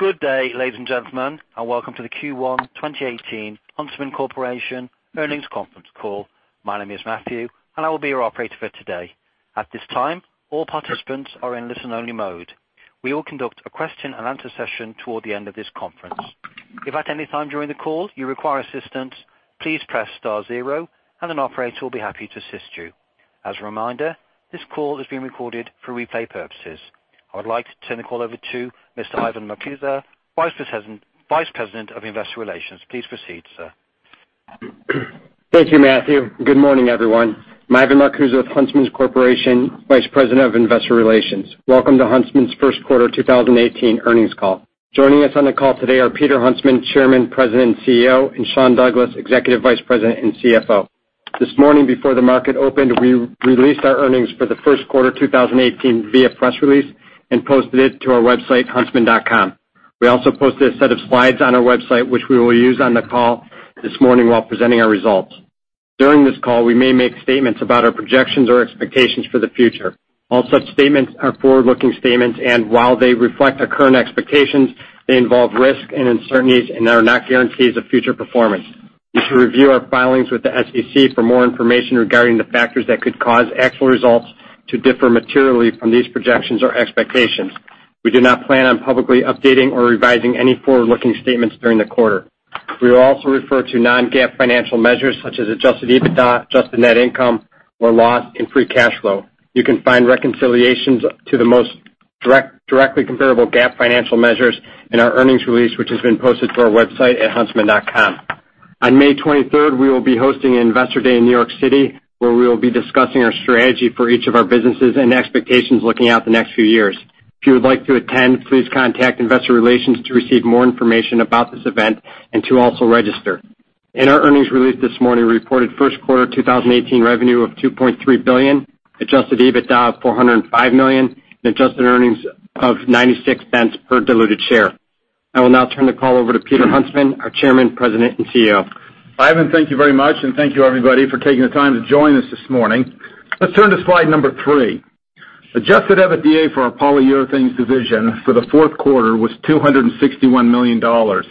Good day, ladies and gentlemen, welcome to the Q1 2018 Huntsman Corporation Earnings Conference Call. My name is Matthew, I will be your operator for today. At this time, all participants are in listen-only mode. We will conduct a question and answer session toward the end of this conference. If at any time during the call you require assistance, please press star zero and an operator will be happy to assist you. As a reminder, this call is being recorded for replay purposes. I would like to turn the call over to Mr. Ivan Marcuse, Vice President of Investor Relations. Please proceed, sir. Thank you, Matthew. Good morning, everyone. I'm Ivan Marcuse with Huntsman Corporation, Vice President of Investor Relations. Welcome to Huntsman's first quarter 2018 earnings call. Joining us on the call today are Peter Huntsman, Chairman, President, and CEO; and Sean Douglas, Executive Vice President and CFO. This morning before the market opened, we released our earnings for the first quarter 2018 via press release and posted it to our website, huntsman.com. We also posted a set of slides on our website, which we will use on the call this morning while presenting our results. All such statements are forward-looking statements, while they reflect our current expectations, they involve risks and uncertainties and are not guarantees of future performance. You should review our filings with the SEC for more information regarding the factors that could cause actual results to differ materially from these projections or expectations. We do not plan on publicly updating or revising any forward-looking statements during the quarter. We will also refer to non-GAAP financial measures such as adjusted EBITDA, adjusted net income or loss, and free cash flow. You can find reconciliations to the most directly comparable GAAP financial measures in our earnings release, which has been posted to our website at huntsman.com. On May 23rd, we will be hosting Investor Day in New York City, where we will be discussing our strategy for each of our businesses and expectations looking out the next few years. If you would like to attend, please contact investor relations to receive more information about this event and to also register. In our earnings release this morning, we reported first quarter 2018 revenue of $2.3 billion, adjusted EBITDA of $405 million, and adjusted earnings of $0.96 per diluted share. I will now turn the call over to Peter Huntsman, our Chairman, President, and CEO. Ivan, thank you very much. Thank you, everybody, for taking the time to join us this morning. Let's turn to slide number three. Adjusted EBITDA for our Polyurethanes division for the first quarter was $261 million. Our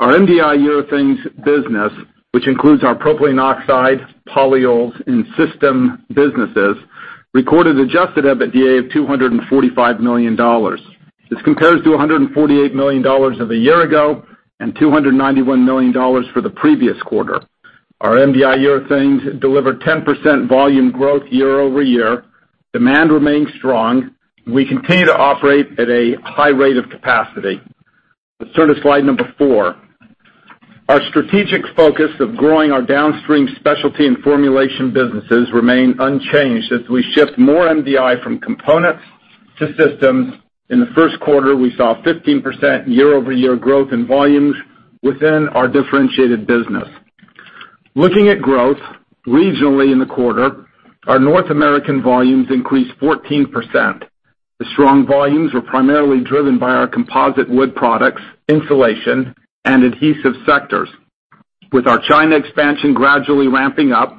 MDI urethanes business, which includes our propylene oxide, polyols, and systems businesses, recorded adjusted EBITDA of $245 million. This compares to $148 million of a year ago and $291 million for the previous quarter. Our MDI urethanes delivered 10% volume growth year-over-year. Demand remains strong. We continue to operate at a high rate of capacity. Let's turn to slide number four. Our strategic focus of growing our downstream specialty and formulation businesses remain unchanged as we shift more MDI from components to systems. In the first quarter, we saw 15% year-over-year growth in volumes within our differentiated business. Looking at growth regionally in the quarter, our North American volumes increased 14%. The strong volumes were primarily driven by our composite wood products, insulation, and adhesive sectors. With our China expansion gradually ramping up,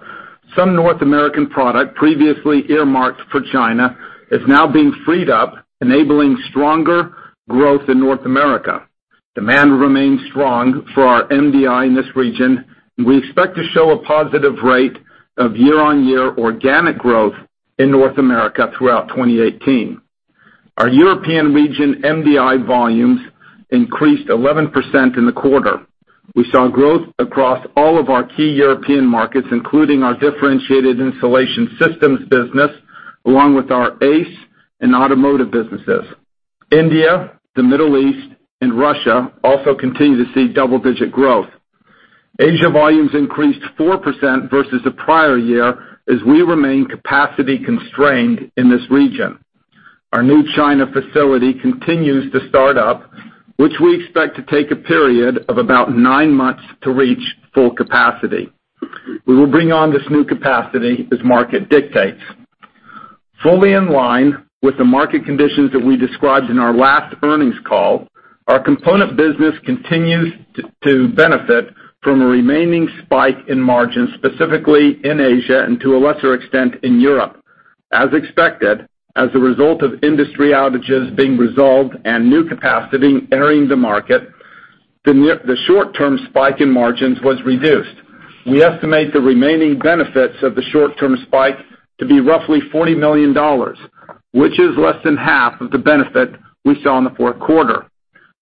some North American product previously earmarked for China is now being freed up, enabling stronger growth in North America. Demand remains strong for our MDI in this region, and we expect to show a positive rate of year-on-year organic growth in North America throughout 2018. Our European region MDI volumes increased 11% in the quarter. We saw growth across all of our key European markets, including our differentiated Insulation Systems business, along with our ACE and automotive businesses. India, the Middle East, and Russia also continue to see double-digit growth. Asia volumes increased 4% versus the prior year as we remain capacity constrained in this region. Our new China facility continues to start up, which we expect to take a period of about nine months to reach full capacity. We will bring on this new capacity as market dictates. Fully in line with the market conditions that we described in our last earnings call, our component business continues to benefit from a remaining spike in margins, specifically in Asia and to a lesser extent in Europe. As expected, as a result of industry outages being resolved and new capacity entering the market, the short-term spike in margins was reduced. We estimate the remaining benefits of the short-term spike to be roughly $40 million, which is less than half of the benefit we saw in the first quarter.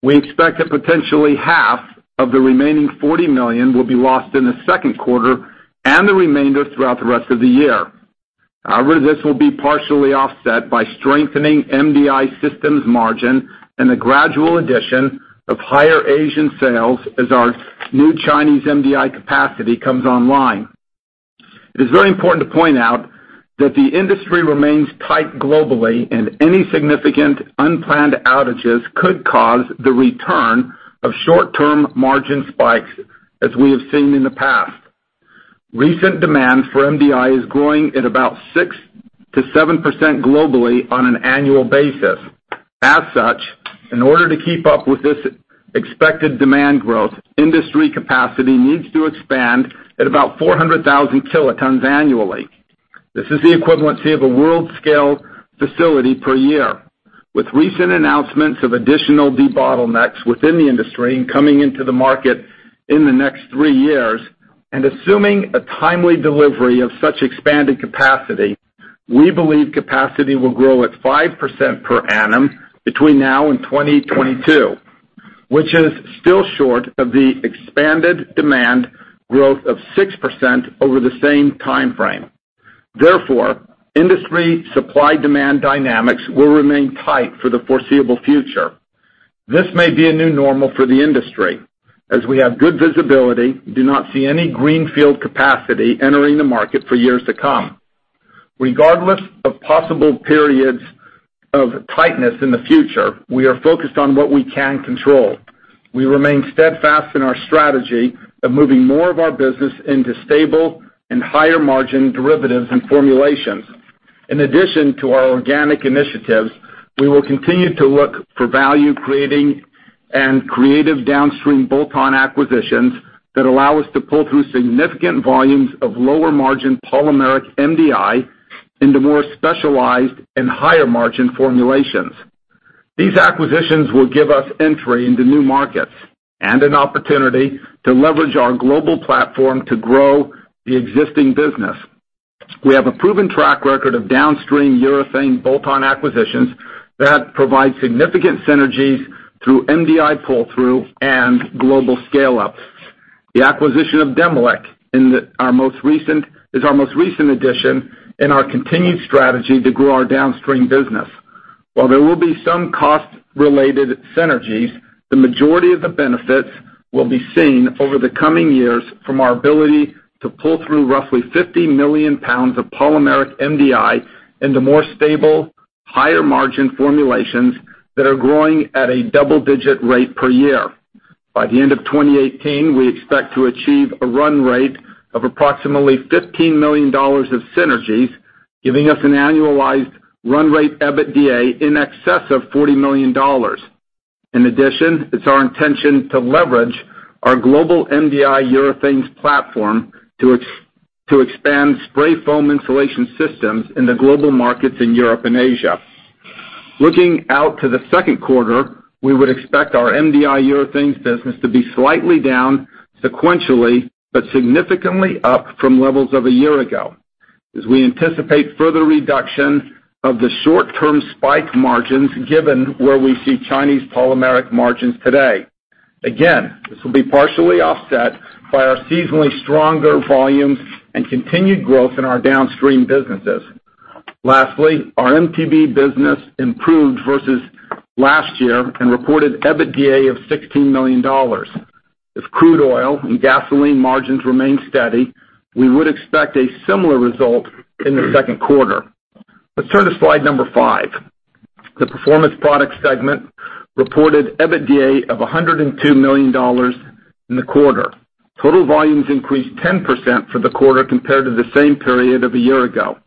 We expect that potentially half of the remaining $40 million will be lost in the second quarter, and the remainder throughout the rest of the year. This will be partially offset by strengthening MDI Systems margin and the gradual addition of higher Asian sales as our new Chinese MDI capacity comes online. It is very important to point out that the industry remains tight globally, and any significant unplanned outages could cause the return of short-term margin spikes as we have seen in the past. Recent demand for MDI is growing at about 6%-7% globally on an annual basis. In order to keep up with this expected demand growth, industry capacity needs to expand at about 400,000 kilotons annually. This is the equivalency of a world scale facility per year. With recent announcements of additional debottlenecks within the industry and coming into the market in the next three years, assuming a timely delivery of such expanded capacity, we believe capacity will grow at 5% per annum between now and 2022. Which is still short of the expanded demand growth of 6% over the same time frame. Therefore, industry supply-demand dynamics will remain tight for the foreseeable future. This may be a new normal for the industry as we have good visibility, do not see any greenfield capacity entering the market for years to come. Regardless of possible periods of tightness in the future, we are focused on what we can control. We remain steadfast in our strategy of moving more of our business into stable and higher margin derivatives and formulations. In addition to our organic initiatives, we will continue to look for value creating and creative downstream bolt-on acquisitions that allow us to pull through significant volumes of lower margin polymeric MDI into more specialized and higher margin formulations. These acquisitions will give us entry into new markets and an opportunity to leverage our global platform to grow the existing business. We have a proven track record of downstream urethane bolt-on acquisitions that provide significant synergies through MDI pull-through and global scale-ups. The acquisition of Demilec is our most recent addition in our continued strategy to grow our downstream business. While there will be some cost-related synergies, the majority of the benefits will be seen over the coming years from our ability to pull through roughly 50 million pounds of polymeric MDI into more stable, higher margin formulations that are growing at a double-digit rate per year. By the end of 2018, we expect to achieve a run rate of approximately $15 million of synergies, giving us an annualized run rate EBITDA in excess of $40 million. In addition, it's our intention to leverage our global MDI urethanes platform to expand spray foam insulation systems in the global markets in Europe and Asia. Looking out to the second quarter, we would expect our MDI urethanes business to be slightly down sequentially, but significantly up from levels of a year ago, as we anticipate further reduction of the short-term spike margins, given where we see Chinese polymeric margins today. Again, this will be partially offset by our seasonally stronger volumes and continued growth in our downstream businesses. Lastly, our MTBE business improved versus last year and reported EBITDA of $16 million. If crude oil and gasoline margins remain steady, we would expect a similar result in the second quarter. Let's turn to slide number five. The Performance Products segment reported EBITDA of $102 million in the quarter. Total volumes increased 10% for the quarter compared to the same period of a year ago.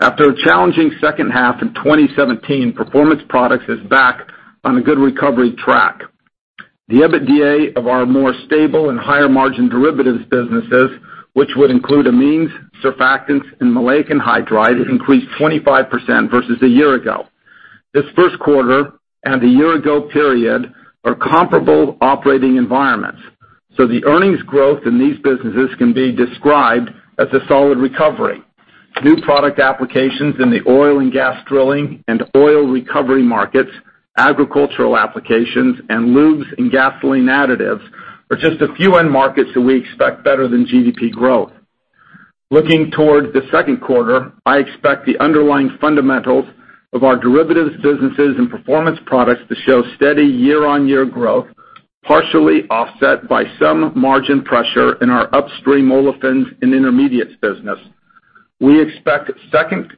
After a challenging second half in 2017, Performance Products is back on a good recovery track. The EBITDA of our more stable and higher margin derivatives businesses, which would include amines, surfactants, and maleic anhydride, increased 25% versus a year ago. This first quarter and the year ago period are comparable operating environments, so the earnings growth in these businesses can be described as a solid recovery. New product applications in the oil and gas drilling and oil recovery markets, agricultural applications, and lubes and gasoline additives are just a few end markets that we expect better than GDP growth. Looking towards the second quarter, I expect the underlying fundamentals of our derivatives businesses and Performance Products to show steady year-on-year growth, partially offset by some margin pressure in our upstream olefins and intermediates business. We expect second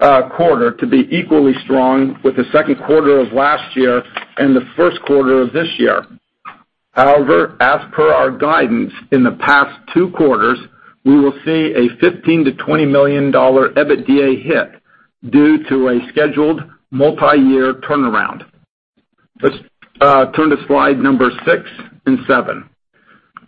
quarter to be equally strong with the second quarter of last year and the first quarter of this year. However, as per our guidance in the past two quarters, we will see a $15 million-$20 million EBITDA hit due to a scheduled multiyear turnaround. Let's turn to slide number six and seven.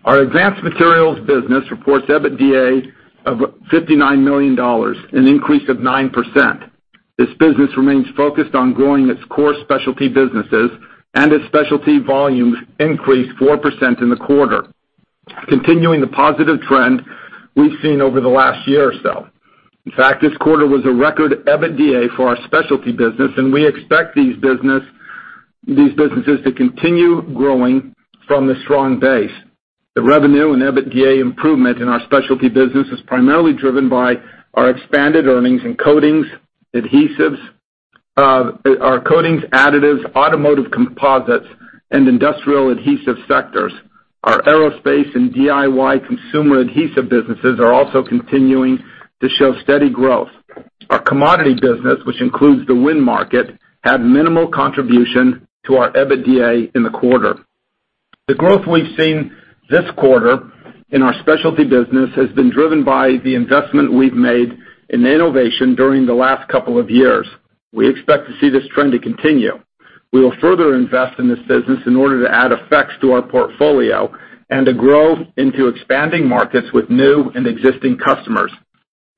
Our Advanced Materials business reports EBITDA of $59 million, an increase of 9%. This business remains focused on growing its core specialty businesses, and its specialty volumes increased 4% in the quarter, continuing the positive trend we've seen over the last year or so. In fact, this quarter was a record EBITDA for our specialty business. We expect these businesses to continue growing from the strong base. The revenue and EBITDA improvement in our specialty business is primarily driven by our expanded earnings in coatings, additives, automotive composites, and industrial adhesive sectors. Our aerospace and DIY consumer adhesive businesses are also continuing to show steady growth. Our commodity business, which includes the wind market, had minimal contribution to our EBITDA in the quarter. The growth we've seen this quarter in our specialty business has been driven by the investment we've made in innovation during the last couple of years. We expect to see this trend to continue. We will further invest in this business in order to add effects to our portfolio and to grow into expanding markets with new and existing customers.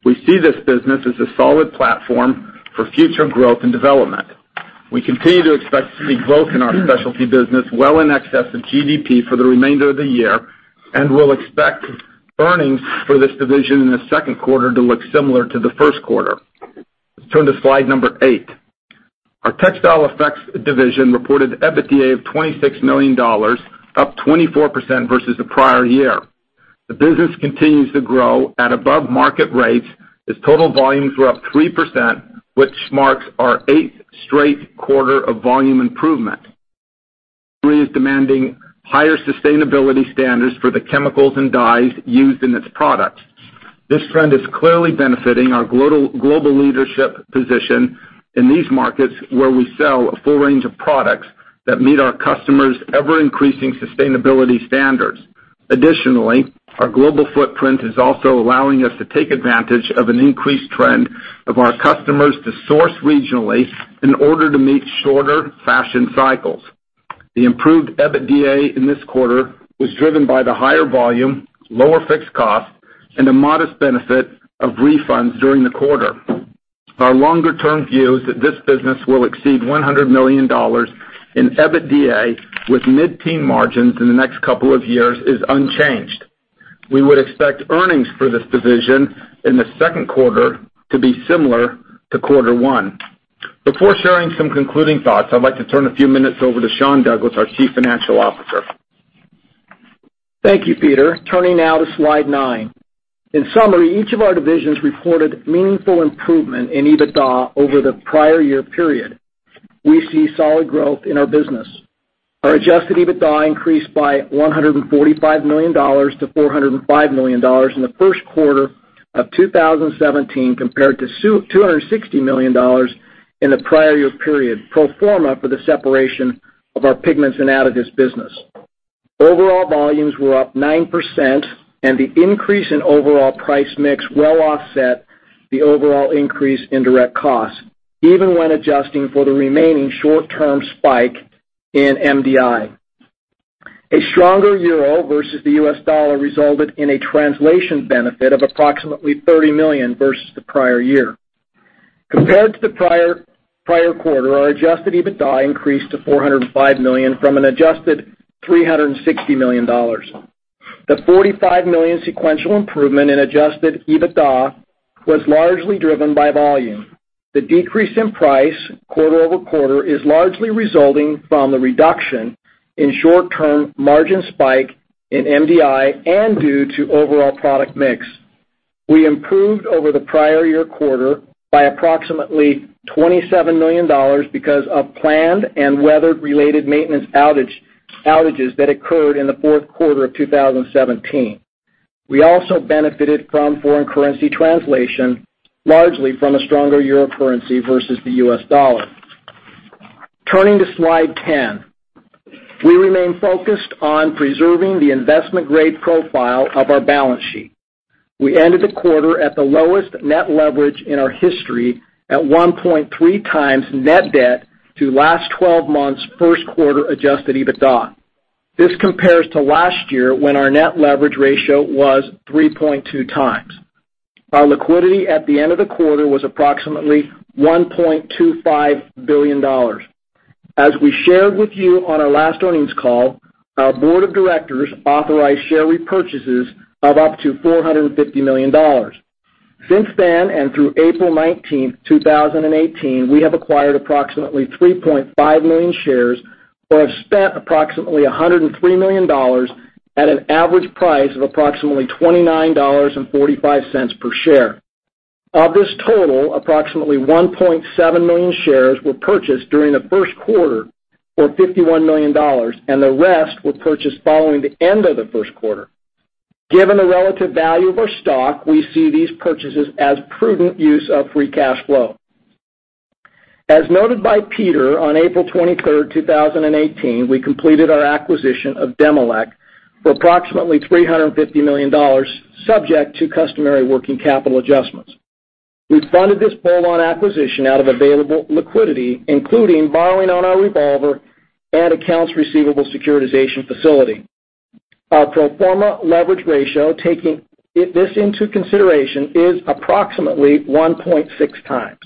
We see this business as a solid platform for future growth and development. We continue to expect to see growth in our specialty business well in excess of GDP for the remainder of the year. We'll expect earnings for this division in the second quarter to look similar to the first quarter. Let's turn to slide number eight. Our Textile Effects division reported EBITDA of $26 million, up 24% versus the prior year. The business continues to grow at above market rates as total volumes were up 3%, which marks our eighth straight quarter of volume improvement. They are demanding higher sustainability standards for the chemicals and dyes used in its products. This trend is clearly benefiting our global leadership position in these markets where we sell a full range of products that meet our customers' ever-increasing sustainability standards. Additionally, our global footprint is also allowing us to take advantage of an increased trend of our customers to source regionally in order to meet shorter fashion cycles. The improved EBITDA in this quarter was driven by the higher volume, lower fixed cost, and a modest benefit of refunds during the quarter. Our longer-term view is that this business will exceed $100 million in EBITDA with mid-teen margins in the next couple of years is unchanged. We would expect earnings for this division in the second quarter to be similar to quarter one. Before sharing some concluding thoughts, I'd like to turn a few minutes over to Sean Douglas, our Chief Financial Officer. Thank you, Peter. Turning now to slide nine. In summary, each of our divisions reported meaningful improvement in EBITDA over the prior year period. We see solid growth in our business. Our adjusted EBITDA increased by $145 million to $405 million in the first quarter of 2018, compared to $260 million in the prior year period, pro forma for the separation of our pigments and additives business. Overall volumes were up 9%. The increase in overall price mix well offset the overall increase in direct costs, even when adjusting for the remaining short-term spike in MDI. A stronger euro versus the US dollar resulted in a translation benefit of approximately $30 million versus the prior year. Compared to the prior quarter, our adjusted EBITDA increased to $405 million from an adjusted $360 million. The $45 million sequential improvement in adjusted EBITDA was largely driven by volume. The decrease in price quarter-over-quarter is largely resulting from the reduction in short-term margin spike in MDI and due to overall product mix. We improved over the prior year quarter by approximately $27 million because of planned and weather-related maintenance outages that occurred in the fourth quarter of 2017. We also benefited from foreign currency translation, largely from a stronger euro versus the US dollar. Turning to slide 10. We remain focused on preserving the investment grade profile of our balance sheet. We ended the quarter at the lowest net leverage in our history at 1.3 times net debt to last 12 months first quarter adjusted EBITDA. This compares to last year, when our net leverage ratio was 3.2 times. Our liquidity at the end of the quarter was approximately $1.25 billion. As we shared with you on our last earnings call, our board of directors authorized share repurchases of up to $450 million. Since then, and through April 19th, 2018, we have acquired approximately 3.5 million shares or have spent approximately $103 million at an average price of approximately $29.45 per share. Of this total, approximately 1.7 million shares were purchased during the first quarter or $51 million, and the rest were purchased following the end of the first quarter. Given the relative value of our stock, we see these purchases as prudent use of free cash flow. As noted by Peter on April 23rd, 2018, we completed our acquisition of Demilec for approximately $350 million, subject to customary working capital adjustments. We funded this bolt-on acquisition out of available liquidity, including borrowing on our revolver and accounts receivable securitization facility. Our pro forma leverage ratio, taking this into consideration, is approximately 1.6 times.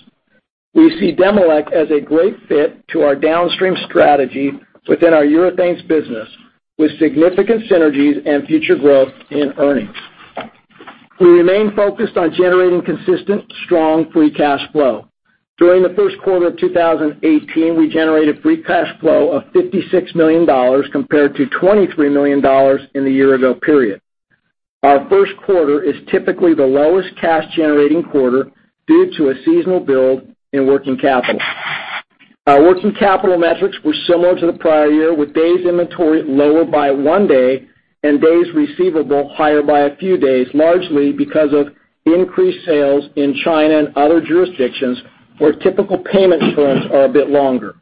We see Demilec as a great fit to our downstream strategy within our Polyurethanes business, with significant synergies and future growth in earnings. We remain focused on generating consistent, strong free cash flow. During the first quarter of 2018, we generated free cash flow of $56 million, compared to $23 million in the year-ago period. Our first quarter is typically the lowest cash-generating quarter due to a seasonal build in working capital. Our working capital metrics were similar to the prior year, with days inventory lower by one day and days receivable higher by a few days, largely because of increased sales in China and other jurisdictions where typical payment terms are a bit longer.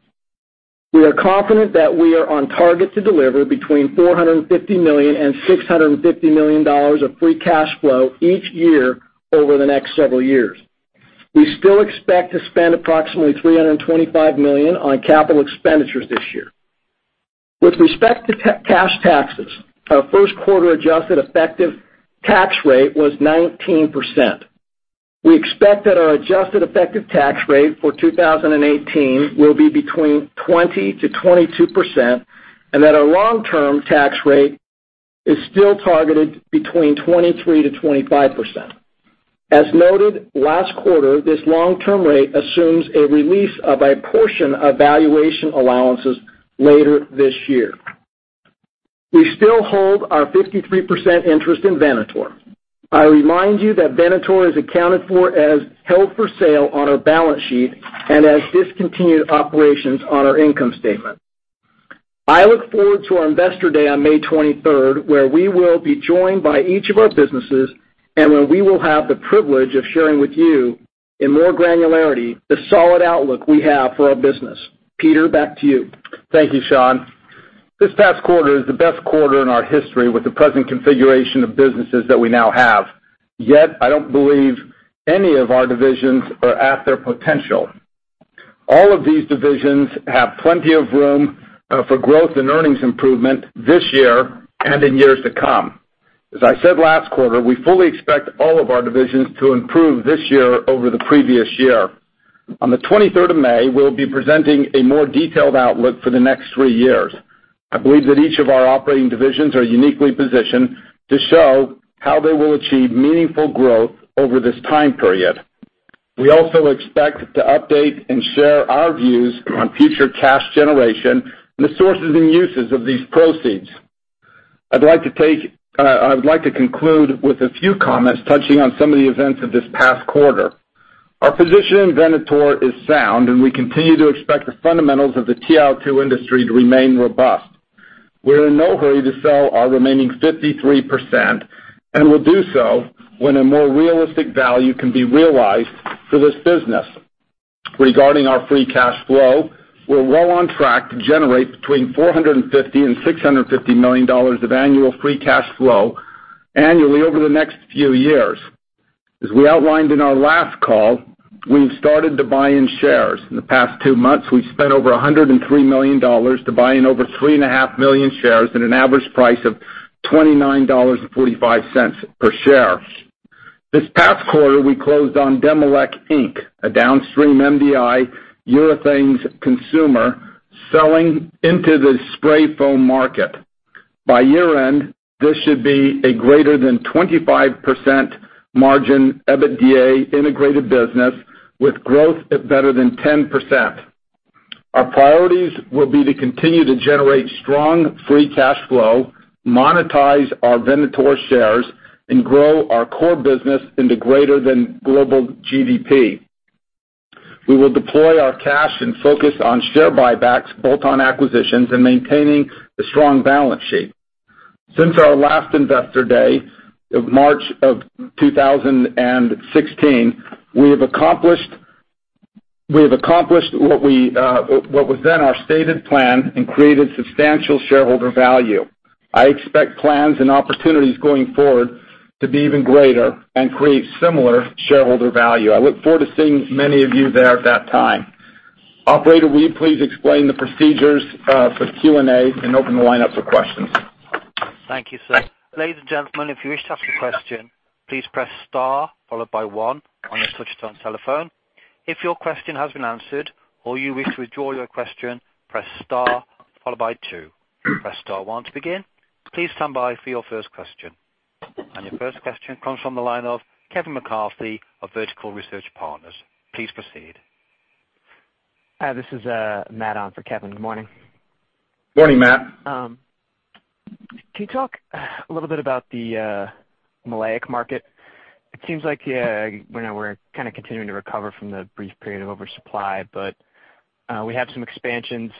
We are confident that we are on target to deliver between $450 million and $650 million of free cash flow each year over the next several years. We still expect to spend approximately $325 million on capital expenditures this year. With respect to cash taxes, our first quarter adjusted effective tax rate was 19%. We expect that our adjusted effective tax rate for 2018 will be between 20% and 22%, and that our long-term tax rate is still targeted between 23% and 25%. As noted last quarter, this long-term rate assumes a release of a portion of valuation allowances later this year. We still hold our 53% interest in Venator. I remind you that Venator is accounted for as held for sale on our balance sheet and as discontinued operations on our income statement. I look forward to our Investor Day on May 23rd, where we will be joined by each of our businesses, and when we will have the privilege of sharing with you, in more granularity, the solid outlook we have for our business. Peter, back to you. Thank you, Sean. This past quarter is the best quarter in our history with the present configuration of businesses that we now have. I don't believe any of our divisions are at their potential. All of these divisions have plenty of room for growth and earnings improvement this year and in years to come. As I said last quarter, we fully expect all of our divisions to improve this year over the previous year. On the 23rd of May, we'll be presenting a more detailed outlook for the next three years. I believe that each of our operating divisions are uniquely positioned to show how they will achieve meaningful growth over this time period. We also expect to update and share our views on future cash generation and the sources and uses of these proceeds. I'd like to conclude with a few comments touching on some of the events of this past quarter. Our position in Venator is sound, and we continue to expect the fundamentals of the TiO2 industry to remain robust. We're in no hurry to sell our remaining 53%, and will do so when a more realistic value can be realized for this business. Regarding our free cash flow, we're well on track to generate between $450 million and $650 million of annual free cash flow annually over the next few years. As we outlined in our last call, we've started to buy in shares. In the past two months, we've spent over $103 million to buy in over three and a half million shares at an average price of $29.45 per share. This past quarter, we closed on Demilec Inc., a downstream MDI urethanes consumer, selling into the spray foam market. By year-end, this should be a greater than 25% margin EBITDA integrated business with growth at better than 10%. Our priorities will be to continue to generate strong free cash flow, monetize our Venator shares, and grow our core business into greater than global GDP. We will deploy our cash and focus on share buybacks, bolt-on acquisitions, and maintaining a strong balance sheet. Since our last Investor Day, March of 2016, we have accomplished what was then our stated plan and created substantial shareholder value. I expect plans and opportunities going forward to be even greater and create similar shareholder value. I look forward to seeing many of you there at that time. Operator, will you please explain the procedures for Q&A and open the line up for questions? Thank you, sir. Ladies and gentlemen, if you wish to ask a question, please press star followed by one on your touch-tone telephone. If your question has been answered or you wish to withdraw your question, press star followed by two. Press star one to begin. Please stand by for your first question. Your first question comes from the line of Kevin McCarthy of Vertical Research Partners. Please proceed. Hi, this is Matt on for Kevin. Good morning. Morning, Matt. Can you talk a little bit about the maleic market? It seems like we're kind of continuing to recover from the brief period of oversupply, but we have some expansions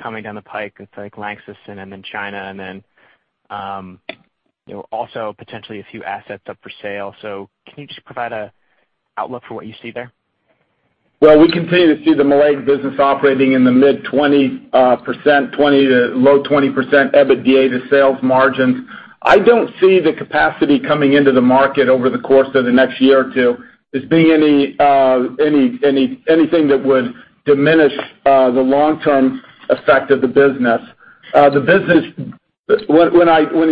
coming down the pike with Lanxess and then China, and then also potentially a few assets up for sale. Can you just provide an outlook for what you see there? Well, we continue to see the maleic business operating in the mid 20%, 20%-low 20% EBITDA to sales margins. I don't see the capacity coming into the market over the course of the next year or two as being anything that would diminish the long-term effect of the business. When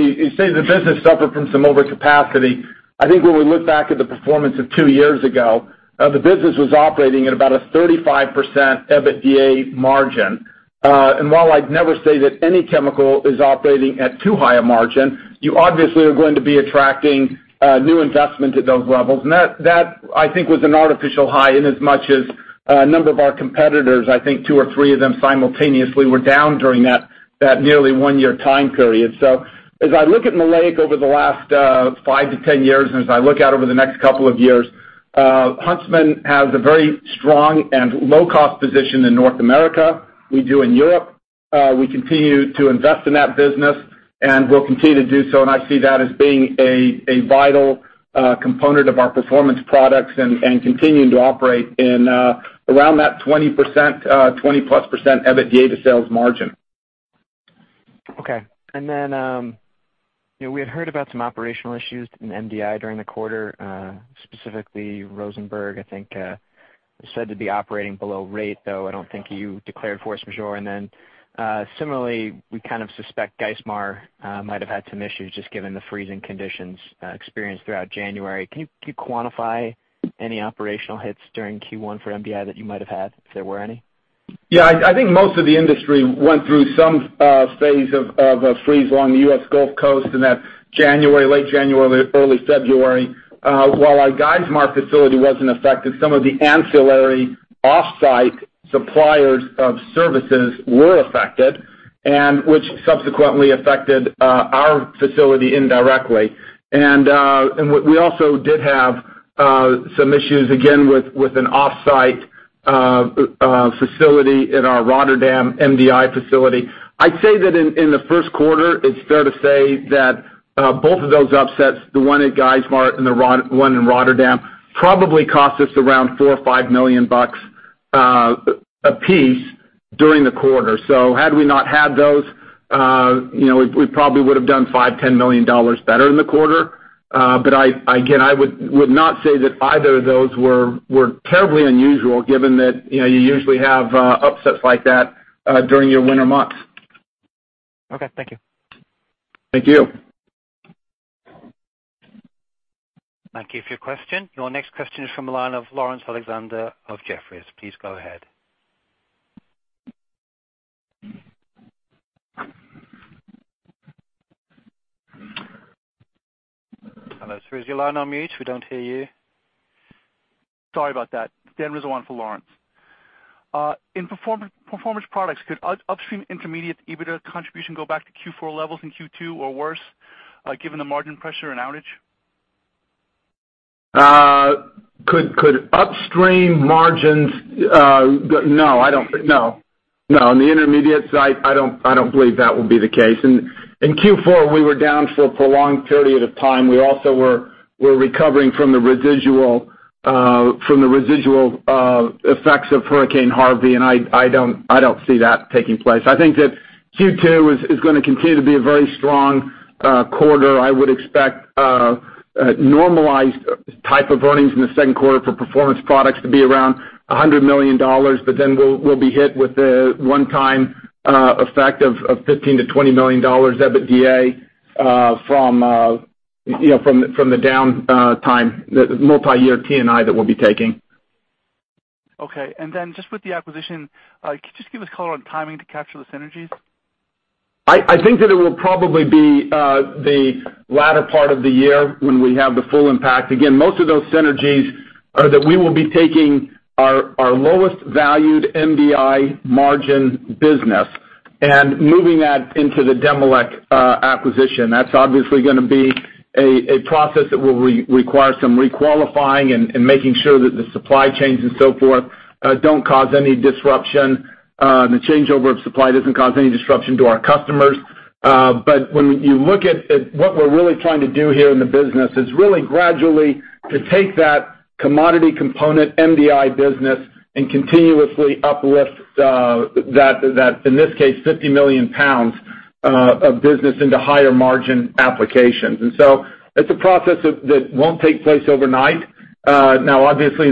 you say the business suffered from some overcapacity, I think when we look back at the performance of two years ago, the business was operating at about a 35% EBITDA margin. While I'd never say that any chemical is operating at too high a margin, you obviously are going to be attracting new investment at those levels. That, I think, was an artificial high in as much as a number of our competitors, I think two or three of them simultaneously, were down during that nearly one-year time period. As I look at maleic over the last 5-10 years, and as I look out over the next couple of years, Huntsman has a very strong and low-cost position in North America. We do in Europe. We continue to invest in that business, and we'll continue to do so, and I see that as being a vital component of our Performance Products and continuing to operate in around that 20% plus EBITDA sales margin. Okay. We had heard about some operational issues in MDI during the quarter, specifically Rozenburg, I think, said to be operating below rate, though I don't think you declared force majeure. Similarly, we kind of suspect Geismar might have had some issues just given the freezing conditions experienced throughout January. Can you quantify any operational hits during Q1 for MDI that you might have had, if there were any? I think most of the industry went through some phase of a freeze along the U.S. Gulf Coast in that late January, early February. While our Geismar facility wasn't affected, some of the ancillary off-site suppliers of services were affected, which subsequently affected our facility indirectly. We also did have some issues again with an off-site facility in our Rotterdam MDI facility. I'd say that in the first quarter, it's fair to say that both of those upsets, the one at Geismar and the one in Rotterdam, probably cost us around $4 million or $5 million apiece during the quarter. Had we not had those, we probably would have done $5 million-$10 million better in the quarter. Again, I would not say that either of those were terribly unusual given that you usually have upsets like that during your winter months. Thank you. Thank you. Thank you for your question. Your next question is from the line of Laurence Alexander of Jefferies. Please go ahead. Hello, sir. Is your line on mute? We don't hear you. Sorry about that. Daniel Rizzo for Laurence. In Performance Products, could upstream intermediate EBITDA contribution go back to Q4 levels in Q2 or worse, given the margin pressure and outage? Could upstream. No, I don't think. No. On the intermediate side, I don't believe that will be the case. In Q4, we were down for a prolonged period of time. We also were recovering from the residual effects of Hurricane Harvey. I don't see that taking place. I think that Q2 is going to continue to be a very strong quarter. I would expect a normalized type of earnings in the second quarter for Performance Products to be around $100 million. We'll be hit with the one-time effect of $15 million-$20 million EBITDA from the downtime, the multi-year T&I that we'll be taking. Okay. Just with the acquisition, could you just give us color on timing to capture the synergies? I think that it will probably be the latter part of the year when we have the full impact. Again, most of those synergies are that we will be taking our lowest valued MDI margin business and moving that into the Demilec acquisition. That's obviously going to be a process that will require some requalifying and making sure that the supply chains and so forth don't cause any disruption, the changeover of supply doesn't cause any disruption to our customers. When you look at what we're really trying to do here in the business is really gradually to take that commodity component MDI business and continuously uplift that, in this case, 50 million pounds of business into higher margin applications. It's a process that won't take place overnight. Now, obviously,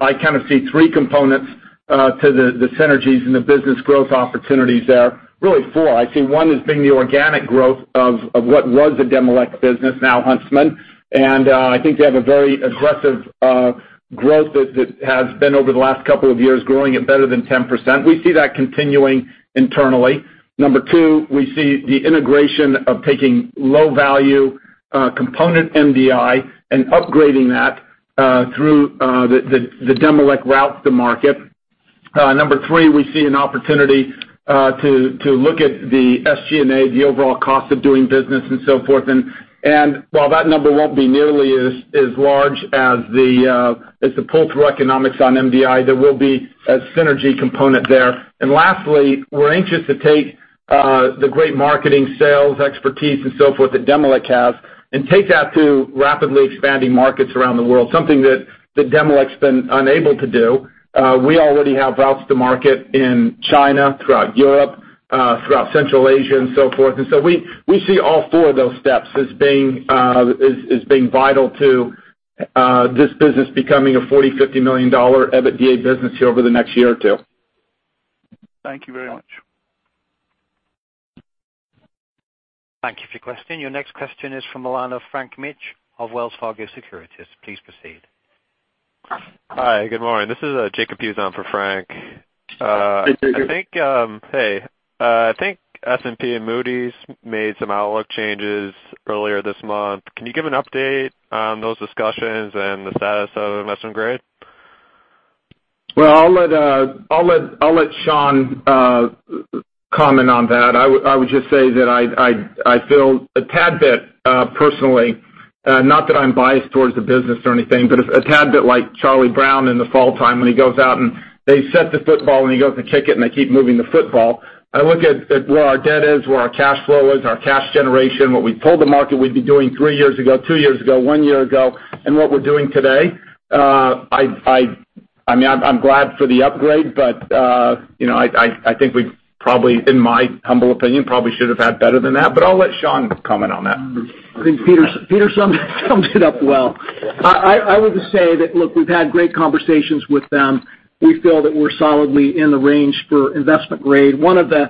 I kind of see three components to the synergies and the business growth opportunities there. Really four. I see one as being the organic growth of what was the Demilec business, now Huntsman. I think they have a very aggressive growth as it has been over the last couple of years, growing at better than 10%. We see that continuing internally. Number two, we see the integration of taking low-value component MDI and upgrading that through the Demilec route to market. Number three, we see an opportunity to look at the SG&A, the overall cost of doing business and so forth. While that number won't be nearly as large as the pull-through economics on MDI, there will be a synergy component there. Lastly, we're anxious to take the great marketing sales expertise and so forth that Demilec has and take that to rapidly expanding markets around the world, something that Demilec's been unable to do. We already have routes to market in China, throughout Europe, throughout Central Asia, and so forth. We see all four of those steps as being vital to this business becoming a $40 million-$50 million EBITDA business here over the next year or two. Thank you very much. Thank you for your question. Your next question is from the line of Frank Mitsch of Wells Fargo Securities. Please proceed. Hi, good morning. This is Jacob Puzon for Frank. Hey, Jacob. Hey. I think S&P and Moody's made some outlook changes earlier this month. Can you give an update on those discussions and the status of investment grade? Well, I'll let Sean comment on that. I would just say that I feel a tad bit personally, not that I'm biased towards the business or anything, but a tad bit like Charlie Brown in the fall time when he goes out and they set the football, and he goes to kick it, and they keep moving the football. I look at where our debt is, where our cash flow is, our cash generation, what we told the market we'd be doing three years ago, two years ago, one year ago, and what we're doing today. I'm glad for the upgrade, I think we probably, in my humble opinion, should have had better than that. I'll let Sean comment on that. I think Peter summed it up well. I would just say that, look, we've had great conversations with them. We feel that we're solidly in the range for investment grade. One of the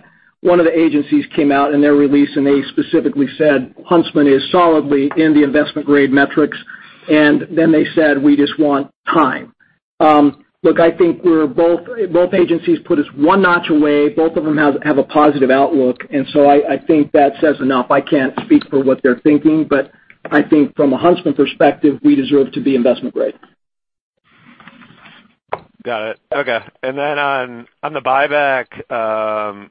agencies came out in their release, and they specifically said, "Huntsman is solidly in the investment grade metrics." They said, "We just want time." Look, I think both agencies put us one notch away. Both of them have a positive outlook, I think that says enough. I can't speak for what they're thinking, but I think from a Huntsman perspective, we deserve to be investment grade. Got it. Okay. On the buyback,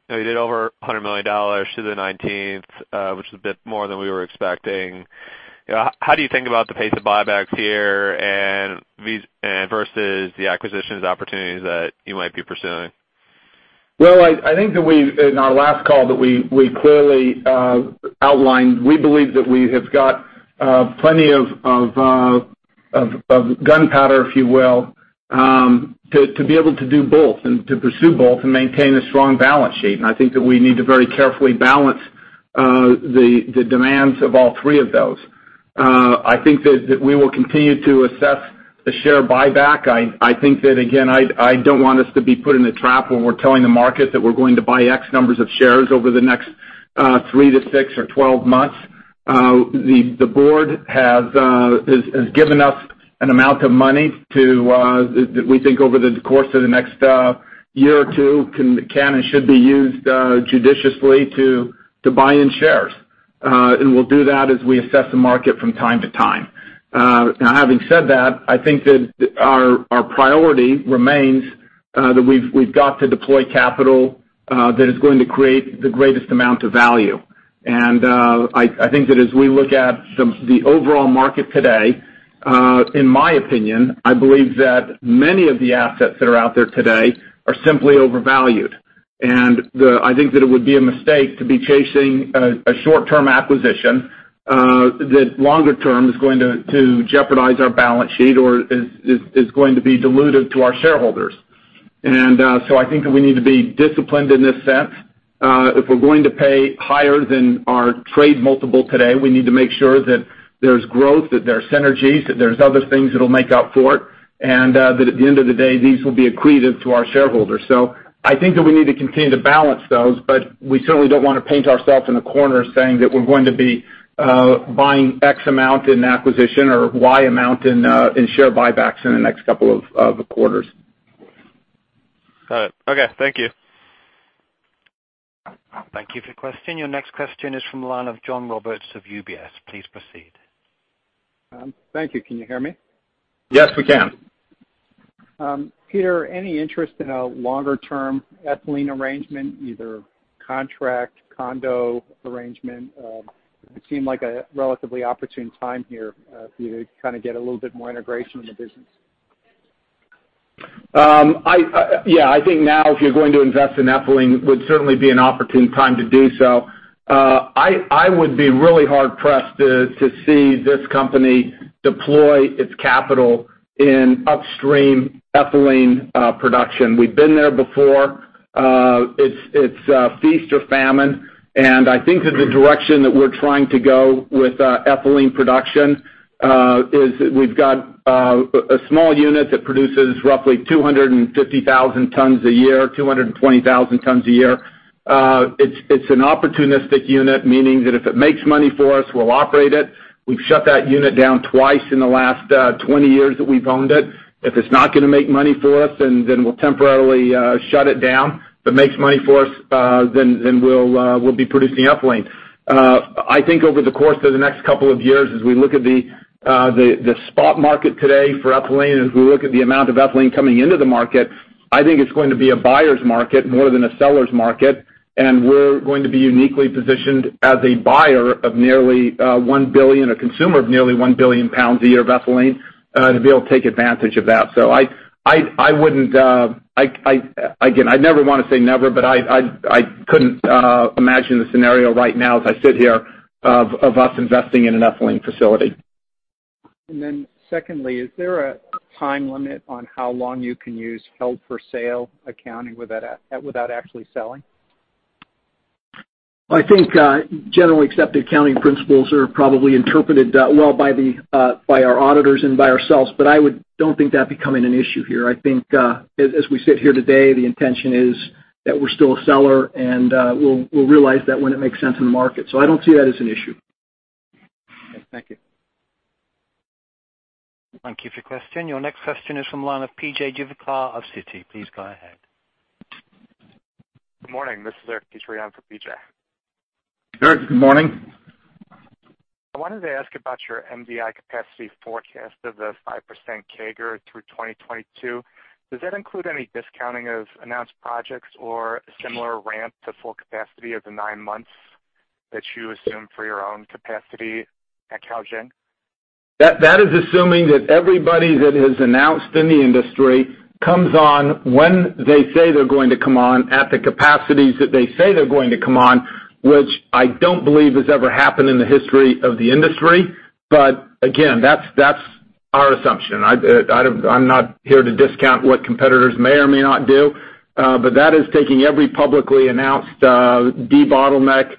you did over $100 million to the 19th, which is a bit more than we were expecting. How do you think about the pace of buybacks here versus the acquisitions opportunities that you might be pursuing? I think that in our last call that we clearly outlined, we believe that we have got plenty of gunpowder, if you will, to be able to do both, to pursue both, and maintain a strong balance sheet. I think that we need to very carefully balance the demands of all three of those. I think that we will continue to assess the share buyback. I think that, again, I don't want us to be put in a trap when we're telling the market that we're going to buy X numbers of shares over the next three to six or 12 months. The board has given us an amount of money that we think over the course of the next year or two can and should be used judiciously to buy in shares. We'll do that as we assess the market from time to time. Having said that, I think that our priority remains that we've got to deploy capital that is going to create the greatest amount of value. I think that as we look at the overall market today, in my opinion, I believe that many of the assets that are out there today are simply overvalued. I think that it would be a mistake to be chasing a short-term acquisition that longer term is going to jeopardize our balance sheet or is going to be dilutive to our shareholders. I think that we need to be disciplined in this sense. If we're going to pay higher than our trade multiple today, we need to make sure that there's growth, that there's synergies, that there's other things that'll make up for it, and that at the end of the day, these will be accretive to our shareholders. I think that we need to continue to balance those, but we certainly don't want to paint ourselves in a corner saying that we're going to be buying X amount in acquisition or Y amount in share buybacks in the next couple of quarters. Got it. Okay. Thank you. Thank you for your question. Your next question is from the line of John Roberts of UBS. Please proceed. Thank you. Can you hear me? Yes, we can. Peter, any interest in a longer-term ethylene arrangement, either contract, condo arrangement? It seemed like a relatively opportune time here for you to get a little bit more integration in the business. Yes. I think now if you're going to invest in ethylene, would certainly be an opportune time to do so. I would be really hard pressed to see this company deploy its capital in upstream ethylene production. We've been there before. It's feast or famine, and I think that the direction that we're trying to go with ethylene production is we've got a small unit that produces roughly 250,000 tons a year, 220,000 tons a year. It's an opportunistic unit, meaning that if it makes money for us, we'll operate it. We've shut that unit down twice in the last 20 years that we've owned it. If it's not going to make money for us, we'll temporarily shut it down. If it makes money for us, we'll be producing ethylene. I think over the course of the next couple of years, as we look at the spot market today for ethylene, as we look at the amount of ethylene coming into the market, I think it's going to be a buyer's market more than a seller's market, and we're going to be uniquely positioned as a buyer of nearly 1 billion, a consumer of nearly 1 billion pounds a year of ethylene to be able to take advantage of that. Again, I never want to say never, but I couldn't imagine the scenario right now as I sit here of us investing in an ethylene facility. Secondly, is there a time limit on how long you can use held-for-sale accounting without actually selling? I think generally accepted accounting principles are probably interpreted well by our auditors and by ourselves, but I don't think that becoming an issue here. I think as we sit here today, the intention is that we're still a seller, and we'll realize that when it makes sense in the market. I don't see that as an issue. Okay. Thank you. Thank you for your question. Your next question is from the line of P.J. Juvekar of Citi. Please go ahead. Good morning. This is Eric Petrie for P.J. Eric, good morning. I wanted to ask about your MDI capacity forecast of the 5% CAGR through 2022. Does that include any discounting of announced projects or a similar ramp to full capacity of the nine months that you assume for your own capacity at Caojing? That is assuming that everybody that has announced in the industry comes on when they say they're going to come on at the capacities that they say they're going to come on, which I don't believe has ever happened in the history of the industry. Again, that's our assumption. I'm not here to discount what competitors may or may not do, but that is taking every publicly announced debottleneck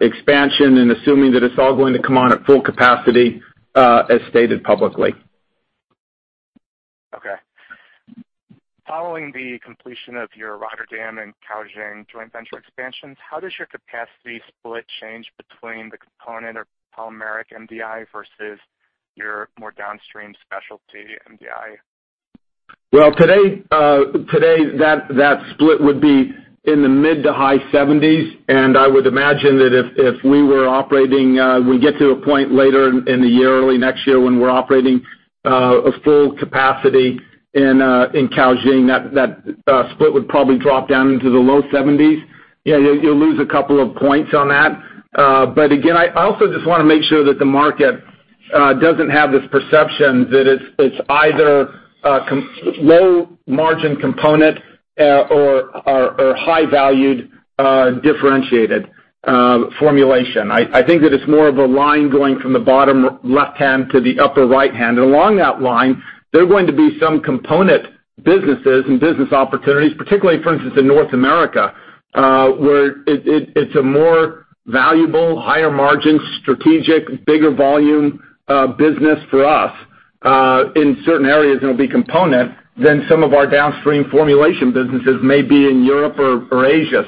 expansion and assuming that it's all going to come on at full capacity, as stated publicly. Okay. Following the completion of your Rotterdam and Caojing joint venture expansions, how does your capacity split change between the component of polymeric MDI versus your more downstream specialty MDI? Well, today, that split would be in the mid to high 70s, I would imagine that if we get to a point later in the year, early next year, when we're operating a full capacity in Caojing, that split would probably drop down into the low 70s. You'll lose a couple of points on that. Again, I also just want to make sure that the market doesn't have this perception that it's either a low margin component or high valued differentiated formulation. I think that it's more of a line going from the bottom left hand to the upper right hand. Along that line, there are going to be some component businesses and business opportunities, particularly, for instance, in North America, where it's a more valuable, higher margin, strategic, bigger volume business for us. In certain areas, it'll be component than some of our downstream formulation businesses may be in Europe or Asia.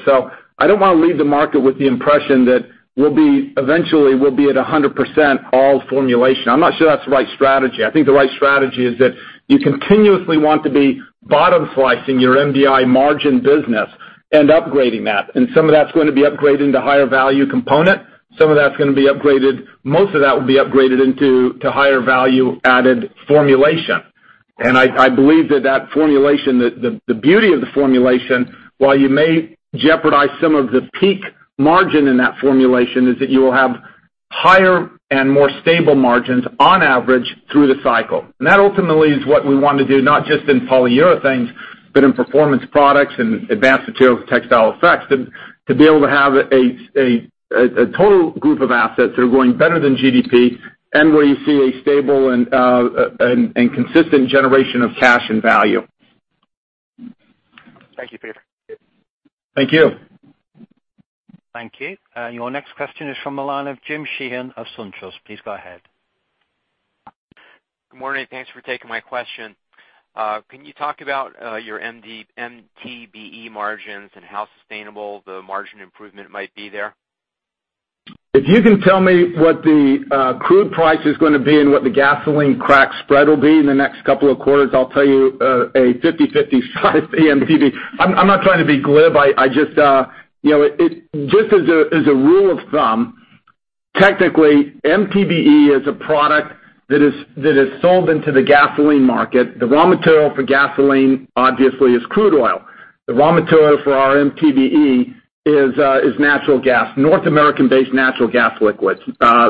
I don't want to leave the market with the impression that eventually, we'll be at 100% all formulation. I'm not sure that's the right strategy. I think the right strategy is that you continuously want to be bottom slicing your MDI margin business and upgrading that. Some of that's going to be upgrading to higher value component. Most of that will be upgraded into higher value added formulation. I believe that the beauty of the formulation, while you may jeopardize some of the peak margin in that formulation, is that you will have higher and more stable margins on average through the cycle. That ultimately is what we want to do, not just in Polyurethanes, but in Performance Products and Advanced Materials with Textile Effects, and to be able to have a total group of assets that are growing better than GDP and where you see a stable and consistent generation of cash and value. Thank you, Peter. Thank you. Thank you. Your next question is from the line of James Sheehan of SunTrust. Please go ahead. Good morning. Thanks for taking my question. Can you talk about your MTBE margins and how sustainable the margin improvement might be there? If you can tell me what the crude price is going to be and what the gasoline crack spread will be in the next couple of quarters, I'll tell you a 50/50 shot at MTBE. I'm not trying to be glib. Just as a rule of thumb, technically, MTBE is a product that is sold into the gasoline market. The raw material for gasoline obviously is crude oil. The raw material for our MTBE is natural gas, North American-based natural gas liquids.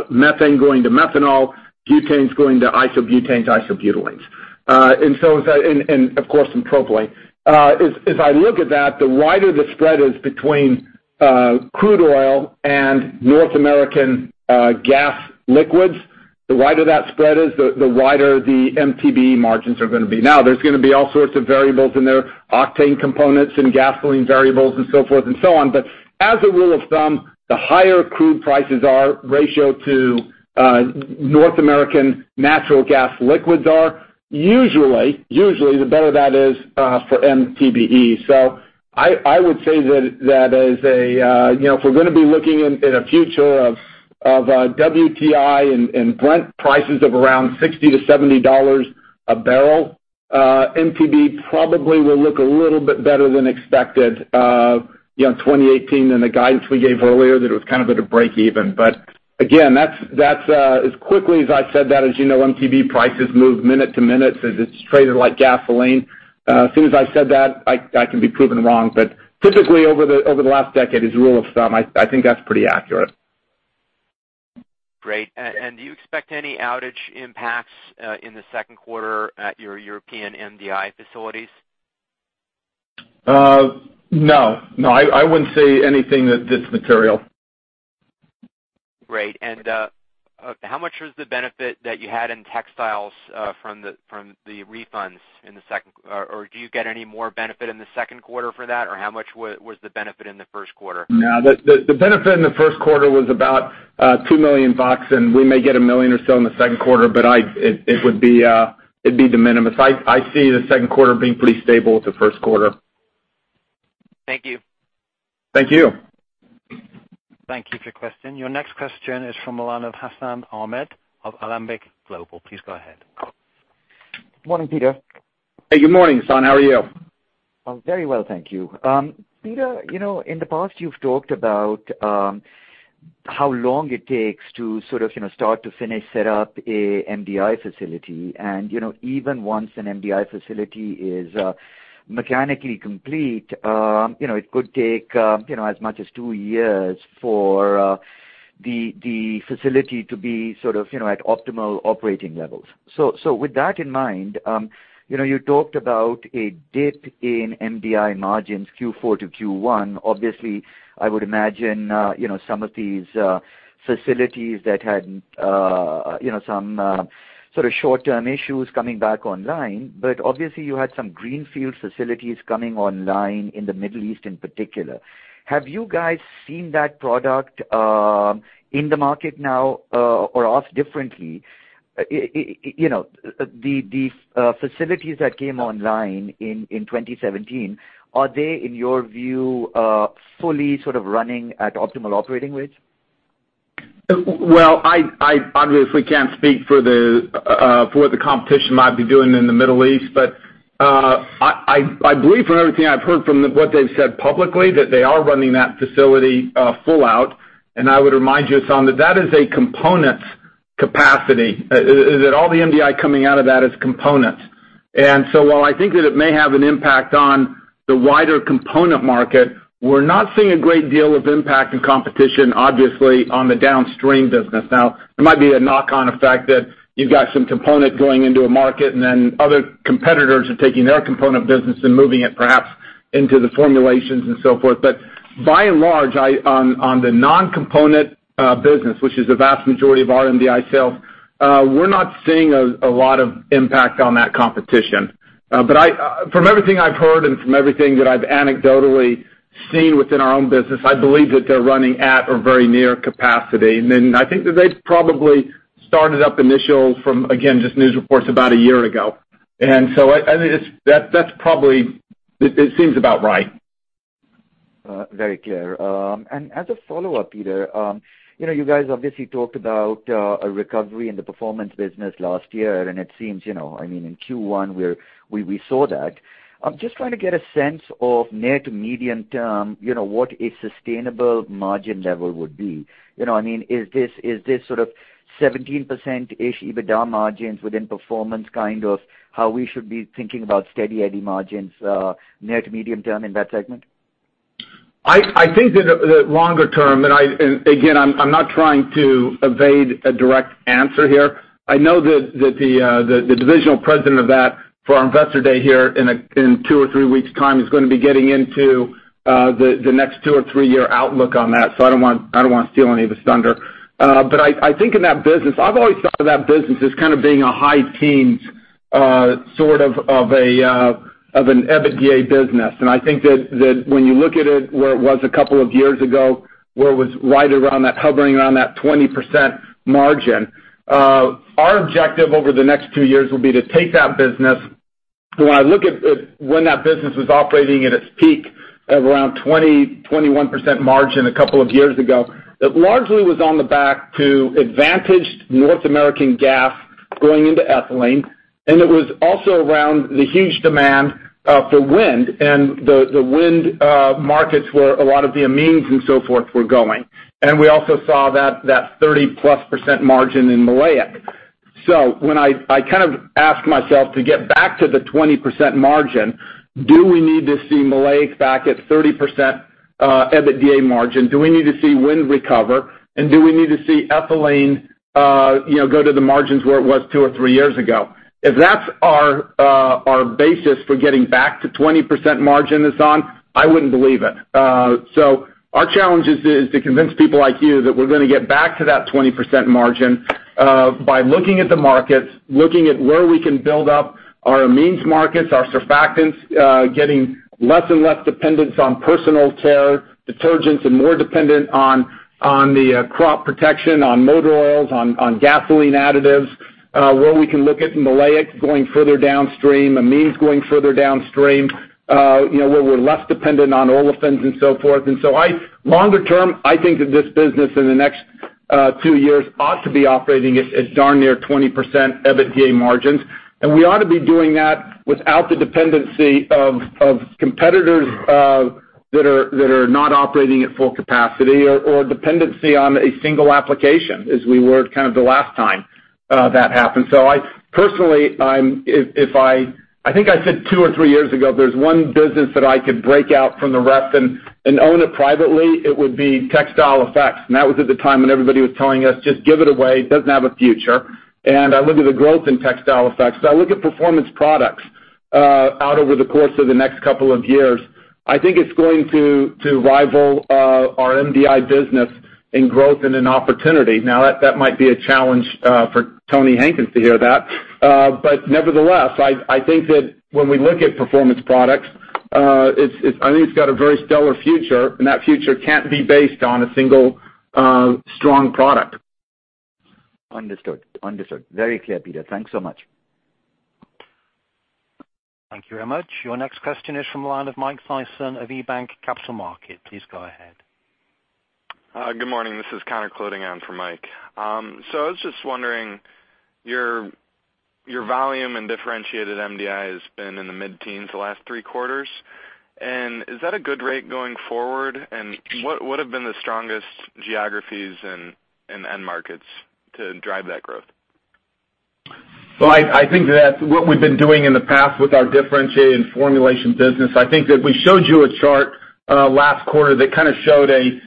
Methane going to methanol, butanes going to isobutane to isobutylene. Of course, some propylene. If I look at that, the wider the spread is between crude oil and North American gas liquids, the wider that spread is, the wider the MTBE margins are going to be. There's going to be all sorts of variables in there, octane components and gasoline variables and so forth and so on. As a rule of thumb, the higher crude prices are ratio to North American natural gas liquids are, usually the better that is for MTBE. I would say that if we're going to be looking in a future of WTI and Brent prices of around $60-$70 a barrel, MTBE probably will look a little bit better than expected 2018 than the guidance we gave earlier that it was kind of at a break even. Again, as quickly as I said that, as you know, MTBE prices move minute to minute, so it's traded like gasoline. As soon as I said that, I can be proven wrong. Typically over the last decade, as a rule of thumb, I think that's pretty accurate. Great. Do you expect any outage impacts in the second quarter at your European MDI facilities? No. I wouldn't say anything that's material. Great. How much was the benefit that you had in Textile Effects from the refunds, or do you get any more benefit in the second quarter for that, or how much was the benefit in the first quarter? No, the benefit in the first quarter was about $2 million, and we may get $1 million or so in the second quarter, but it'd be de minimis. I see the second quarter being pretty stable with the first quarter. Thank you. Thank you. Thank you for your question. Your next question is from the line of Hassan Ahmed of Alembic Global. Please go ahead. Morning, Peter. Hey, good morning, Hassan. How are you? I'm very well, thank you. Peter, in the past, you've talked about how long it takes to sort of start to finish, set up a MDI facility. Even once an MDI facility is mechanically complete, it could take as much as two years for the facility to be sort of at optimal operating levels. With that in mind, you talked about a dip in MDI margins Q4 to Q1. Obviously, I would imagine some of these facilities that had some sort of short-term issues coming back online, but obviously you had some greenfield facilities coming online in the Middle East in particular. Have you guys seen that product in the market now, or asked differently, the facilities that came online in 2017, are they, in your view, fully sort of running at optimal operating rates? I obviously can't speak for what the competition might be doing in the Middle East, I believe from everything I've heard from what they've said publicly, that they are running that facility full out. I would remind you, Hassan, that is a components capacity, that all the MDI coming out of that is components. While I think that it may have an impact on the wider component market, we're not seeing a great deal of impact in competition, obviously, on the downstream business. There might be a knock-on effect that you've got some component going into a market and then other competitors are taking their component business and moving it perhaps into the formulations and so forth. By and large, on the non-component business, which is the vast majority of our MDI sales, we're not seeing a lot of impact on that competition. From everything I've heard and from everything that I've anecdotally seen within our own business, I believe that they're running at or very near capacity. I think that they probably started up initial from, again, just news reports about a year ago. I think it seems about right. Very clear. As a follow-up, Peter, you guys obviously talked about a recovery in the Performance Products business last year, it seems, in Q1, we saw that. I'm just trying to get a sense of near to medium term, what a sustainable margin level would be. Is this sort of 17% EBITDA margins within Performance Products kind of how we should be thinking about steady Eddie margins near to medium term in that segment? I think that the longer term, again, I'm not trying to evade a direct answer here. I know that the divisional president of that for our Investor Day here in two or three weeks' time is going to be getting into the next two or three-year outlook on that, I don't want to steal any of his thunder. I think in that business, I've always thought of that business as kind of being a high teens sort of an EBITDA business. I think that when you look at it where it was a couple of years ago, where it was right around that hovering around that 20% margin, our objective over the next two years will be to take that business. When I look at when that business was operating at its peak of around 20%, 21% margin a couple of years ago, it largely was on the back to advantaged North American gas going into ethylene, and it was also around the huge demand for wind, and the wind markets where a lot of the amines and so forth were going. We also saw that 30%-plus margin in maleic. When I kind of ask myself to get back to the 20% margin, do we need to see maleic back at 30% EBITDA margin? Do we need to see wind recover? Do we need to see ethylene go to the margins where it was two or three years ago? If that's our basis for getting back to 20% margin, Hassan, I wouldn't believe it. Our challenge is to convince people like you that we're going to get back to that 20% margin by looking at the markets, looking at where we can build up our amines markets, our surfactants, getting less and less dependence on personal care, detergents, and more dependent on the crop protection, on motor oils, on gasoline additives where we can look at maleic going further downstream, amines going further downstream where we're less dependent on olefins and so forth. Longer term, I think that this business in the next two years ought to be operating at darn near 20% EBITDA margins. We ought to be doing that without the dependency of competitors that are not operating at full capacity or dependency on a single application as we were kind of the last time that happened. Personally, I think I said two or three years ago, if there's one business that I could break out from the rest and own it privately, it would be Textile Effects. That was at the time when everybody was telling us, "Just give it away. It doesn't have a future." I look at the growth in Textile Effects. I look at Performance Products out over the course of the next couple of years. I think it's going to rival our MDI business in growth and in opportunity. Now, that might be a challenge for Tony Hankins to hear that. Nevertheless, I think that when we look at Performance Products, I think it's got a very stellar future, and that future can't be based on a single strong product. Understood. Very clear, Peter. Thanks so much. Thank you very much. Your next question is from the line of Michael Sison of KeyBanc Capital Markets. Please go ahead. Good morning. This is Connor Cloetingh on for Mike. I was just wondering, your volume and differentiated MDI has been in the mid-teens the last three quarters. Is that a good rate going forward? What have been the strongest geographies and end markets to drive that growth? Well, I think that what we've been doing in the past with our differentiated and formulation business, I think that we showed you a chart last quarter that kind of showed a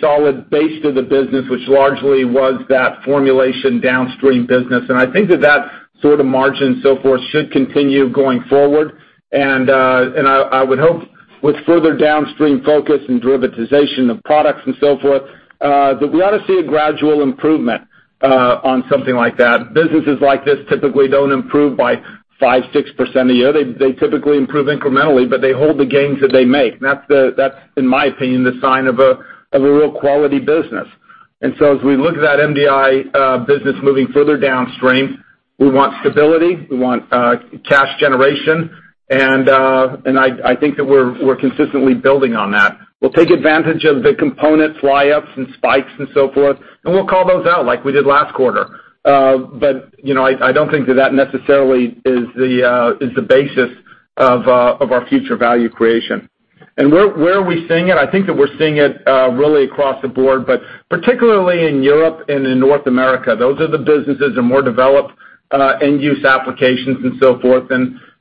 solid base to the business, which largely was that formulation downstream business. I think that that sort of margin so forth should continue going forward. I would hope with further downstream focus and derivatization of products and so forth, that we ought to see a gradual improvement on something like that. Businesses like this typically don't improve by 5%, 6% a year. They typically improve incrementally, but they hold the gains that they make. That's, in my opinion, the sign of a real quality business. As we look at that MDI business moving further downstream, we want stability, we want cash generation, and I think that we're consistently building on that. We'll take advantage of the components fly-ups and spikes and so forth, and we'll call those out like we did last quarter. I don't think that that necessarily is the basis of our future value creation. Where are we seeing it? I think that we're seeing it really across the board, but particularly in Europe and in North America. Those are the businesses and more developed end-use applications and so forth.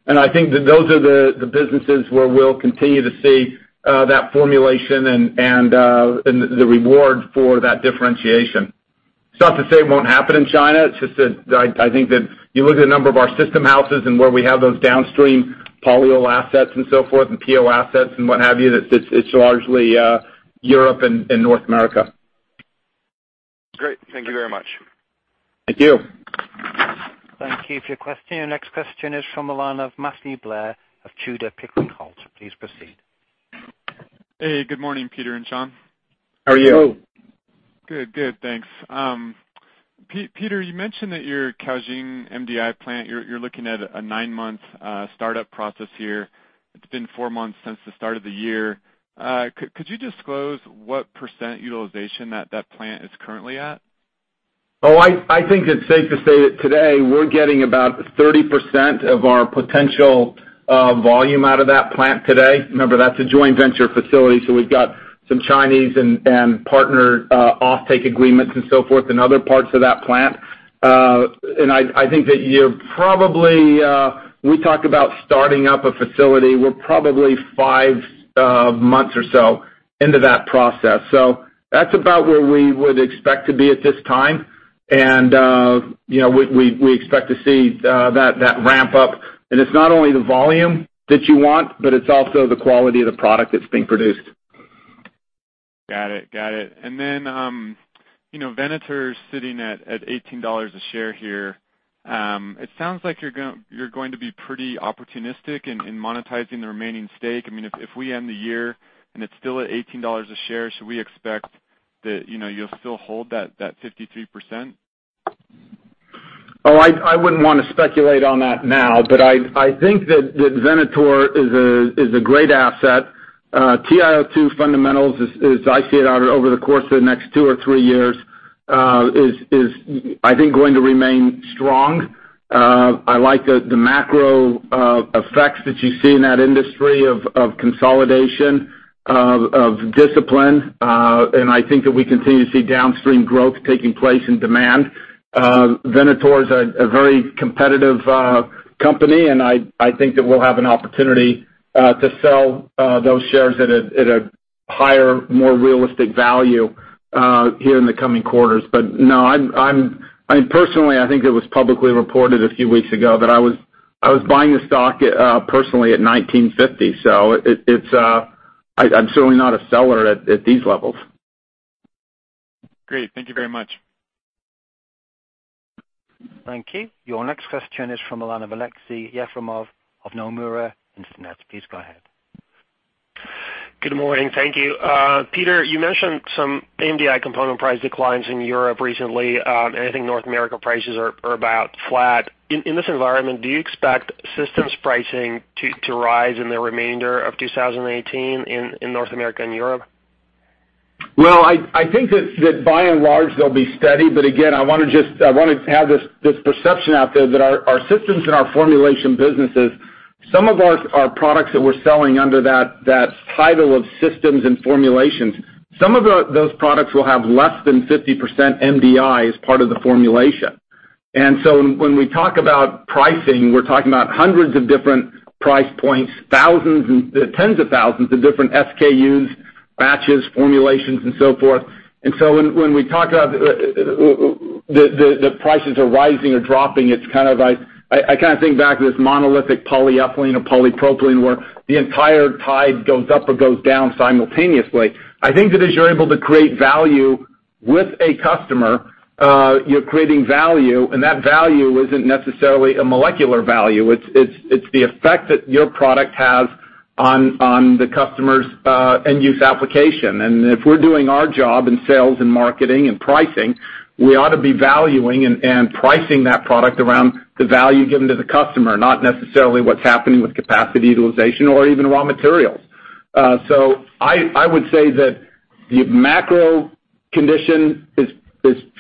I think that those are the businesses where we'll continue to see that formulation and the reward for that differentiation. It's not to say it won't happen in China, it's just that I think that you look at a number of our system houses and where we have those downstream polyol assets and so forth, and PO assets and what have you, it's largely Europe and North America. Great. Thank you very much. Thank you. Thank you for your question. Your next question is from the line of Matthew Blair of Tudor, Pickering, Holt & Co. Please proceed. Hey, good morning, Peter and Sean. How are you? Hello. Good. Thanks. Peter, you mentioned that your Caojing MDI plant, you're looking at a 9-month startup process here. It's been four months since the start of the year. Could you disclose what % utilization that plant is currently at? I think it's safe to say that today we're getting about 30% of our potential volume out of that plant today. Remember, that's a joint venture facility, so we've got some Chinese and partner offtake agreements and so forth in other parts of that plant. I think that we talked about starting up a facility. We're probably five months or so into that process. That's about where we would expect to be at this time. We expect to see that ramp up. It's not only the volume that you want, but it's also the quality of the product that's being produced. Got it. Venator's sitting at $18 a share here. It sounds like you're going to be pretty opportunistic in monetizing the remaining stake. If we end the year and it's still at $18 a share, should we expect that you'll still hold that 53%? Oh, I wouldn't want to speculate on that now, but I think that Venator is a great asset. TiO2 fundamentals, as I see it out over the course of the next two or three years, is, I think, going to remain strong. I like the macro effects that you see in that industry of consolidation, of discipline. I think that we continue to see downstream growth taking place in demand. Venator is a very competitive company, and I think that we'll have an opportunity to sell those shares at a higher, more realistic value here in the coming quarters. No. Personally, I think it was publicly reported a few weeks ago that I was buying the stock personally at $19.50, I'm certainly not a seller at these levels. Great. Thank you very much. Thank you. Your next question is from the line of Aleksey Yefremov of Nomura Instinet. Please go ahead. Good morning. Thank you. Peter, you mentioned some MDI component price declines in Europe recently, I think North America prices are about flat. In this environment, do you expect systems pricing to rise in the remainder of 2018 in North America and Europe? I think that by and large, they'll be steady. Again, I want to have this perception out there that our systems and our formulation businesses, some of our products that we're selling under that title of systems and formulations, some of those products will have less than 50% MDI as part of the formulation. When we talk about pricing, we're talking about hundreds of different price points, tens of thousands of different SKUs, batches, formulations, and so forth. When we talk about the prices are rising or dropping, I kind of think back to this monolithic polyethylene or polypropylene, where the entire tide goes up or goes down simultaneously. I think that as you're able to create value with a customer, you're creating value, and that value isn't necessarily a molecular value. It's the effect that your product has on the customer's end-use application. If we're doing our job in sales and marketing and pricing, we ought to be valuing and pricing that product around the value given to the customer, not necessarily what's happening with capacity utilization or even raw materials. I would say that the macro condition is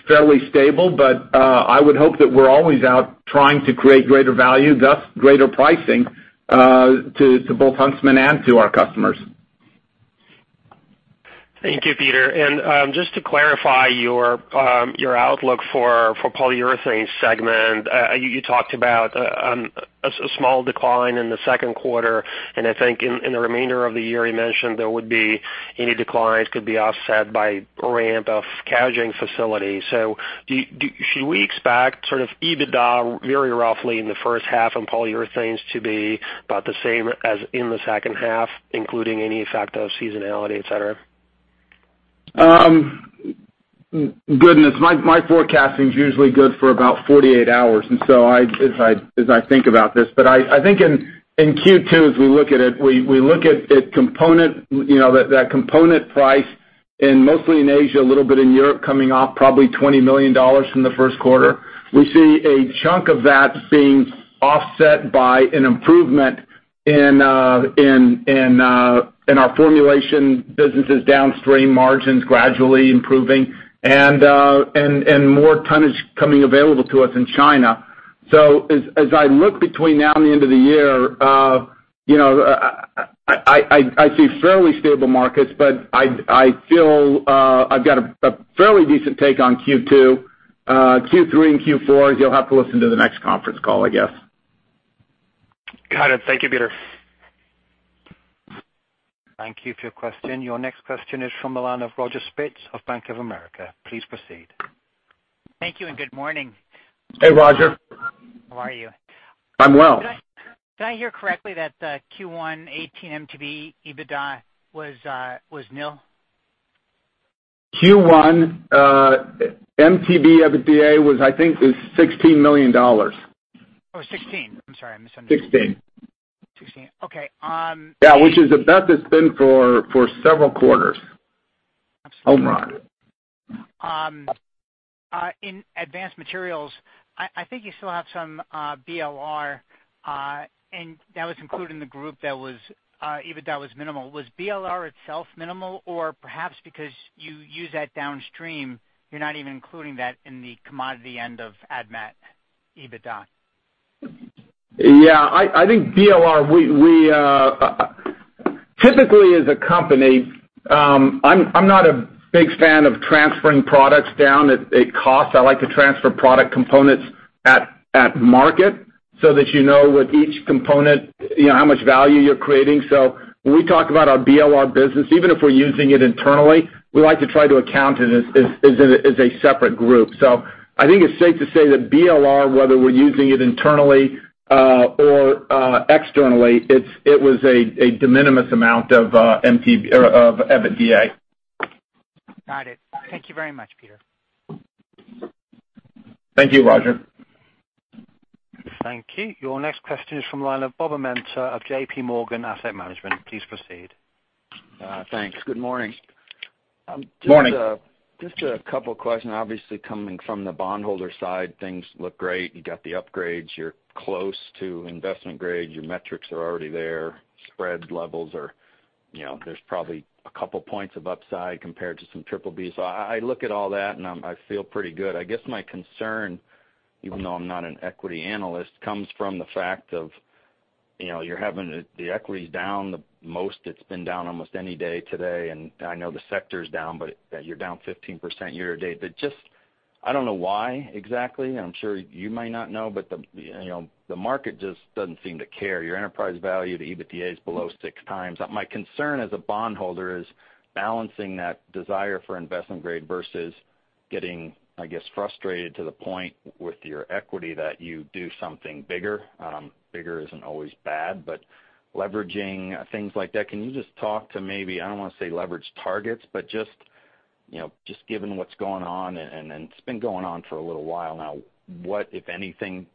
fairly stable, I would hope that we're always out trying to create greater value, thus greater pricing, to both Huntsman and to our customers. Thank you, Peter. Just to clarify your outlook for Polyurethanes segment, you talked about a small decline in the second quarter, I think in the remainder of the year, you mentioned there would be any declines could be offset by ramp of Caojing facility. Should we expect sort of EBITDA very roughly in the first half in Polyurethanes to be about the same as in the second half, including any effect of seasonality, et cetera? Goodness. My forecasting's usually good for about 48 hours, as I think about this. I think in Q2, as we look at it, we look at that component price in mostly in Asia, a little bit in Europe, coming off probably $20 million from the first quarter. We see a chunk of that being offset by an improvement in our formulation businesses downstream margins gradually improving and more tonnage coming available to us in China. As I look between now and the end of the year I see fairly stable markets, I feel I've got a fairly decent take on Q2. Q3 and Q4, you'll have to listen to the next conference call, I guess. Got it. Thank you, Peter. Thank you for your question. Your next question is from the line of Roger Spitz of Bank of America. Please proceed. Thank you and good morning. Hey, Roger. How are you? I'm well. Did I hear correctly that the Q1 2018 MTBE EBITDA was nil? Q1 MTBE EBITDA was, I think, $16 million. Oh, 16. I'm sorry, I misunderstood. Sixteen. 16. Okay. Yeah. Which is the best it's been for several quarters. Absolutely. Home run. In Advanced Materials, I think you still have some BLR, and that was included in the group that was, EBITDA was minimal. Was BLR itself minimal? Or perhaps because you use that downstream, you're not even including that in the commodity end of Admat EBITDA? Yeah, I think BLR, typically as a company, I'm not a big fan of transferring products down at cost. I like to transfer product components at market so that you know with each component how much value you're creating. When we talk about our BLR business, even if we're using it internally, we like to try to account it as a separate group. I think it's safe to say that BLR, whether we're using it internally or externally, it was a de minimis amount of EBITDA. Got it. Thank you very much, Peter. Thank you, Roger. Thank you. Your next question is from the line of Bob Amanta of J.P. Morgan Asset Management. Please proceed. Thanks. Good morning. Morning. Just a couple of questions. Obviously, coming from the bondholder side, things look great. You got the upgrades, you're close to investment grade, your metrics are already there. Spread levels are, there's probably a couple points of upside compared to some triple Bs. I look at all that, I feel pretty good. I guess my concern, even though I'm not an equity analyst, comes from the fact of you're having the equity's down the most it's been down almost any day today, I know the sector's down, but you're down 15% year-to-date. Just, I don't know why exactly, and I'm sure you might not know, but the market just doesn't seem to care. Your enterprise value to EBITDA is below six times. My concern as a bondholder is balancing that desire for investment grade versus getting, I guess, frustrated to the point with your equity that you do something bigger. Bigger isn't always bad, leveraging things like that. Can you just talk to maybe, I don't want to say leverage targets, but just given what's going on, and it's been going on for a little while now, what, if anything,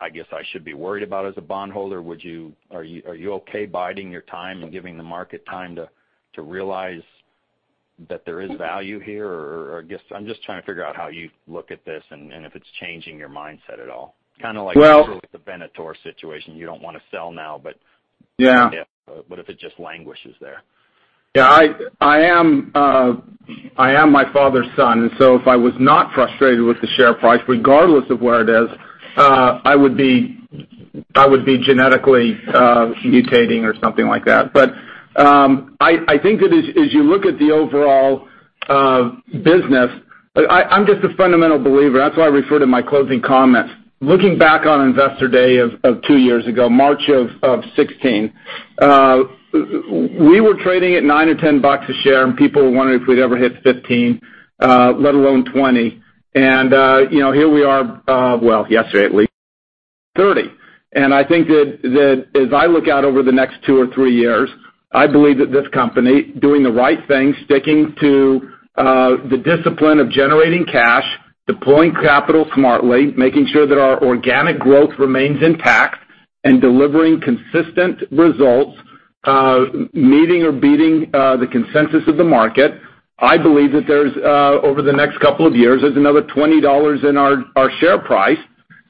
I guess I should be worried about as a bondholder? Are you okay biding your time and giving the market time to realize that there is value here? I'm just trying to figure out how you look at this and if it's changing your mindset at all. Well- with the Venator situation. You don't want to sell now. Yeah What if it just languishes there? Yeah, I am my father's son, and so if I was not frustrated with the share price, regardless of where it is, I would be genetically mutating or something like that. I think that as you look at the overall business, I'm just a fundamental believer. That's why I refer to my closing comments. Looking back on Investor Day of two years ago, March of 2016. We were trading at nine or 10 bucks a share, and people were wondering if we'd ever hit 15, let alone 20. Here we are, well, yesterday at least, 30. I think that as I look out over the next two or three years, I believe that this company doing the right thing, sticking to the discipline of generating cash, deploying capital smartly, making sure that our organic growth remains intact, and delivering consistent results, meeting or beating the consensus of the market. I believe that there's, over the next couple of years, there's another $20 in our share price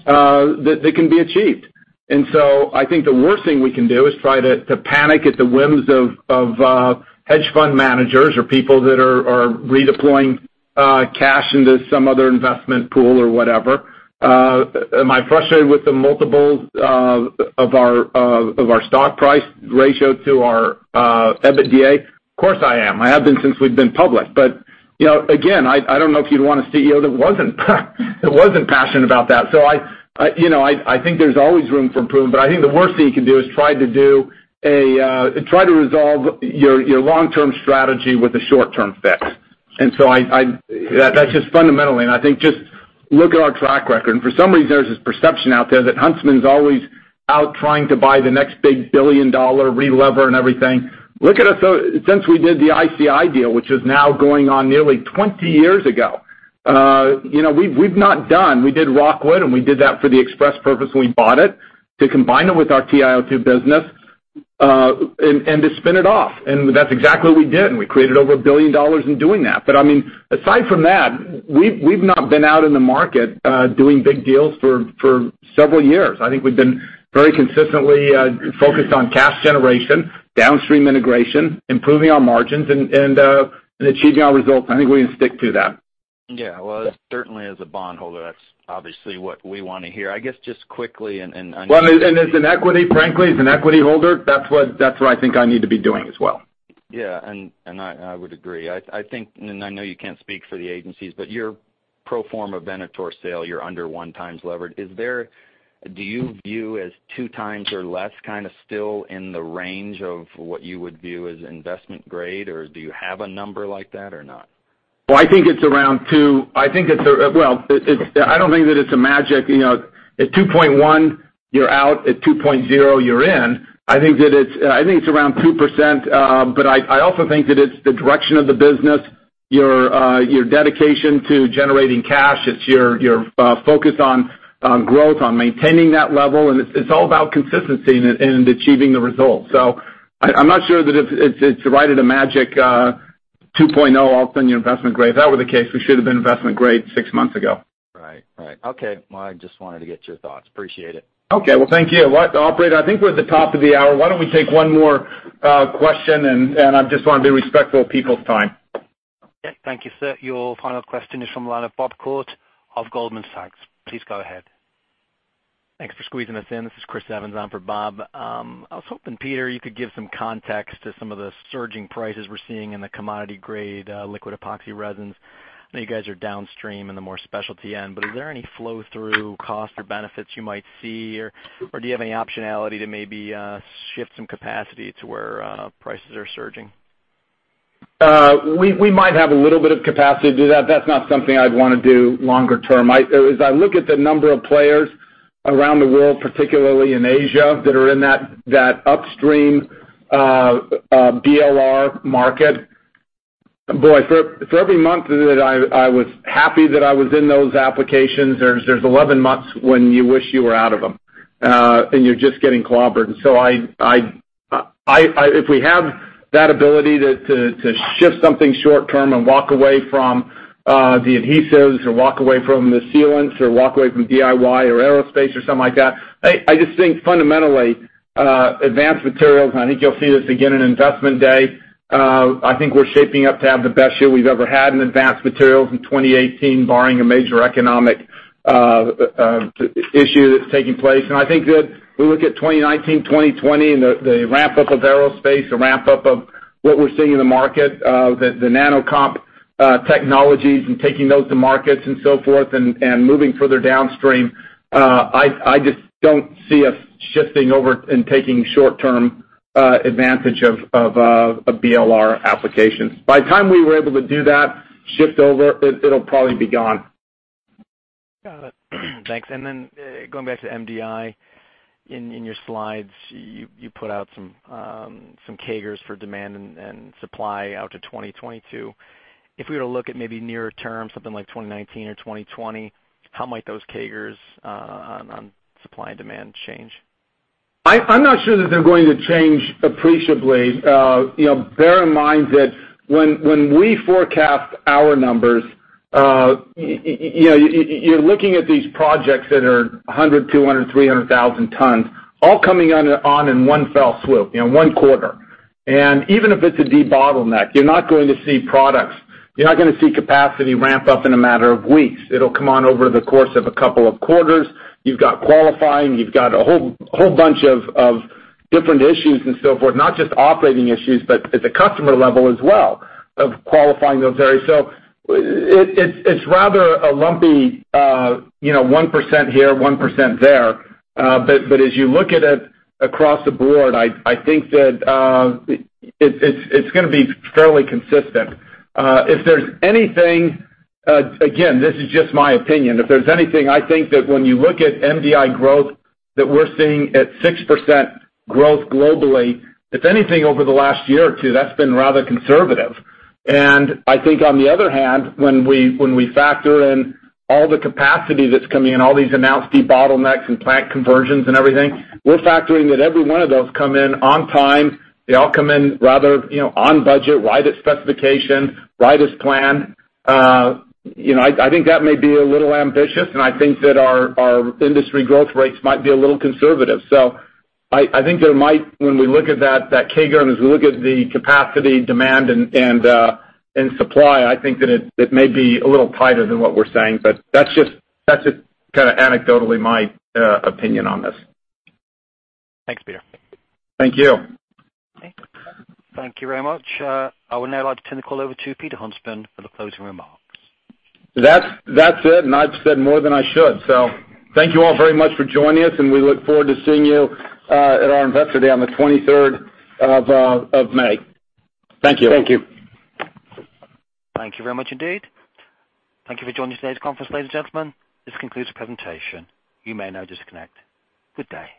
that they can be achieved. I think the worst thing we can do is try to panic at the whims of hedge fund managers or people that are redeploying cash into some other investment pool or whatever. Am I frustrated with the multiples of our stock price ratio to our EBITDA? Of course I am. I have been since we've been public. Again, I don't know if you'd want a CEO that wasn't passionate about that. I think there's always room for improvement, but I think the worst thing you can do is try to resolve your long-term strategy with a short-term fix. That's just fundamentally, and I think just look at our track record. For some reason, there's this perception out there that Huntsman's always out trying to buy the next big billion-dollar relever and everything. Look at us since we did the ICI deal, which is now going on nearly 20 years ago. We've not done. We did Rockwood, and we did that for the express purpose when we bought it to combine it with our TiO2 business, and to spin it off. That's exactly what we did, and we created over $1 billion in doing that. Aside from that, we've not been out in the market doing big deals for several years. I think we've been very consistently focused on cash generation, downstream integration, improving our margins, and achieving our results, and I think we're going to stick to that. Yeah. Well, certainly as a bond holder, that's obviously what we want to hear. I guess just quickly. Well, as an equity, frankly, as an equity holder, that's what I think I need to be doing as well. I would agree. I think, I know you can't speak for the agencies, but your pro forma Venator sale, you're under one times levered. Do you view as two times or less still in the range of what you would view as investment grade, or do you have a number like that, or not? Well, I think it's around two. Well, I don't think that it's a magic, at 2.1, you're out, at 2.0, you're in. I think it's around 2%, but I also think that it's the direction of the business, your dedication to generating cash. It's your focus on growth, on maintaining that level, and it's all about consistency and achieving the results. I'm not sure that it's right at a magic 2.0, all of a sudden you're investment grade. If that were the case, we should've been investment grade six months ago. Right. Okay. Well, I just wanted to get your thoughts. Appreciate it. Okay. Well, thank you. Operator, I think we're at the top of the hour. Why don't we take one more question, I just want to be respectful of people's time. Yeah. Thank you, sir. Your final question is from the line of Bob Koort of Goldman Sachs. Please go ahead. Thanks for squeezing us in. This is Chris Evans on for Bob. I was hoping, Peter, you could give some context to some of the surging prices we're seeing in the commodity grade liquid epoxy resins. I know you guys are downstream in the more specialty end, is there any flow-through cost or benefits you might see, or do you have any optionality to maybe shift some capacity to where prices are surging? We might have a little bit of capacity to do that. That's not something I'd want to do longer term. As I look at the number of players around the world, particularly in Asia, that are in that upstream BLR market, boy, for every month that I was happy that I was in those applications, there's 11 months when you wish you were out of them. You're just getting clobbered. If we have that ability to shift something short term and walk away from the adhesives or walk away from the sealants or walk away from DIY or aerospace or something like that, I just think fundamentally, Advanced Materials, and I think you'll see this again in Investor Day, I think we're shaping up to have the best year we've ever had in Advanced Materials in 2018 barring a major economic issue that's taking place. I think that we look at 2019, 2020, and the ramp-up of aerospace, the ramp-up of what we're seeing in the market, the Nanocomp Technologies and taking those to markets and so forth and moving further downstream, I just don't see us shifting over and taking short-term advantage of BLR applications. By the time we were able to do that, shift over, it'll probably be gone. Got it. Thanks. Going back to MDI, in your slides, you put out some CAGRs for demand and supply out to 2022. If we were to look at maybe nearer term, something like 2019 or 2020, how might those CAGRs on supply and demand change? I'm not sure that they're going to change appreciably. Bear in mind that when we forecast our numbers, you're looking at these projects that are 100,000, 200,000, 300,000 tons all coming on in one fell swoop, one quarter. Even if it's a debottleneck, you're not going to see products, you're not going to see capacity ramp up in a matter of weeks. It'll come on over the course of a couple of quarters. You've got qualifying, you've got a whole bunch of different issues and so forth, not just operating issues, but at the customer level as well of qualifying those areas. It's rather a lumpy 1% here, 1% there. As you look at it across the board, I think that it's going to be fairly consistent. If there's anything, again, this is just my opinion, if there's anything, I think that when you look at MDI growth that we're seeing at 6% growth globally, if anything over the last year or two, that's been rather conservative. I think on the other hand, when we factor in all the capacity that's coming in, all these announced debottlenecks and plant conversions and everything, we're factoring that every one of those come in on time. They all come in rather on budget, right as specification, right as planned. I think that may be a little ambitious, I think that our industry growth rates might be a little conservative. I think there might, when we look at that CAGR, as we look at the capacity, demand, and supply, I think that it may be a little tighter than what we're saying, that's just kind of anecdotally my opinion on this. Thanks, Peter. Thank you. Okay. Thank you very much. I would now like to turn the call over to Peter Huntsman for the closing remarks. That's it, and I've said more than I should. Thank you all very much for joining us, and we look forward to seeing you at our Investor Day on the 23rd of May. Thank you. Thank you. Thank you very much indeed. Thank you for joining today's conference, ladies and gentlemen. This concludes the presentation. You may now disconnect. Good day.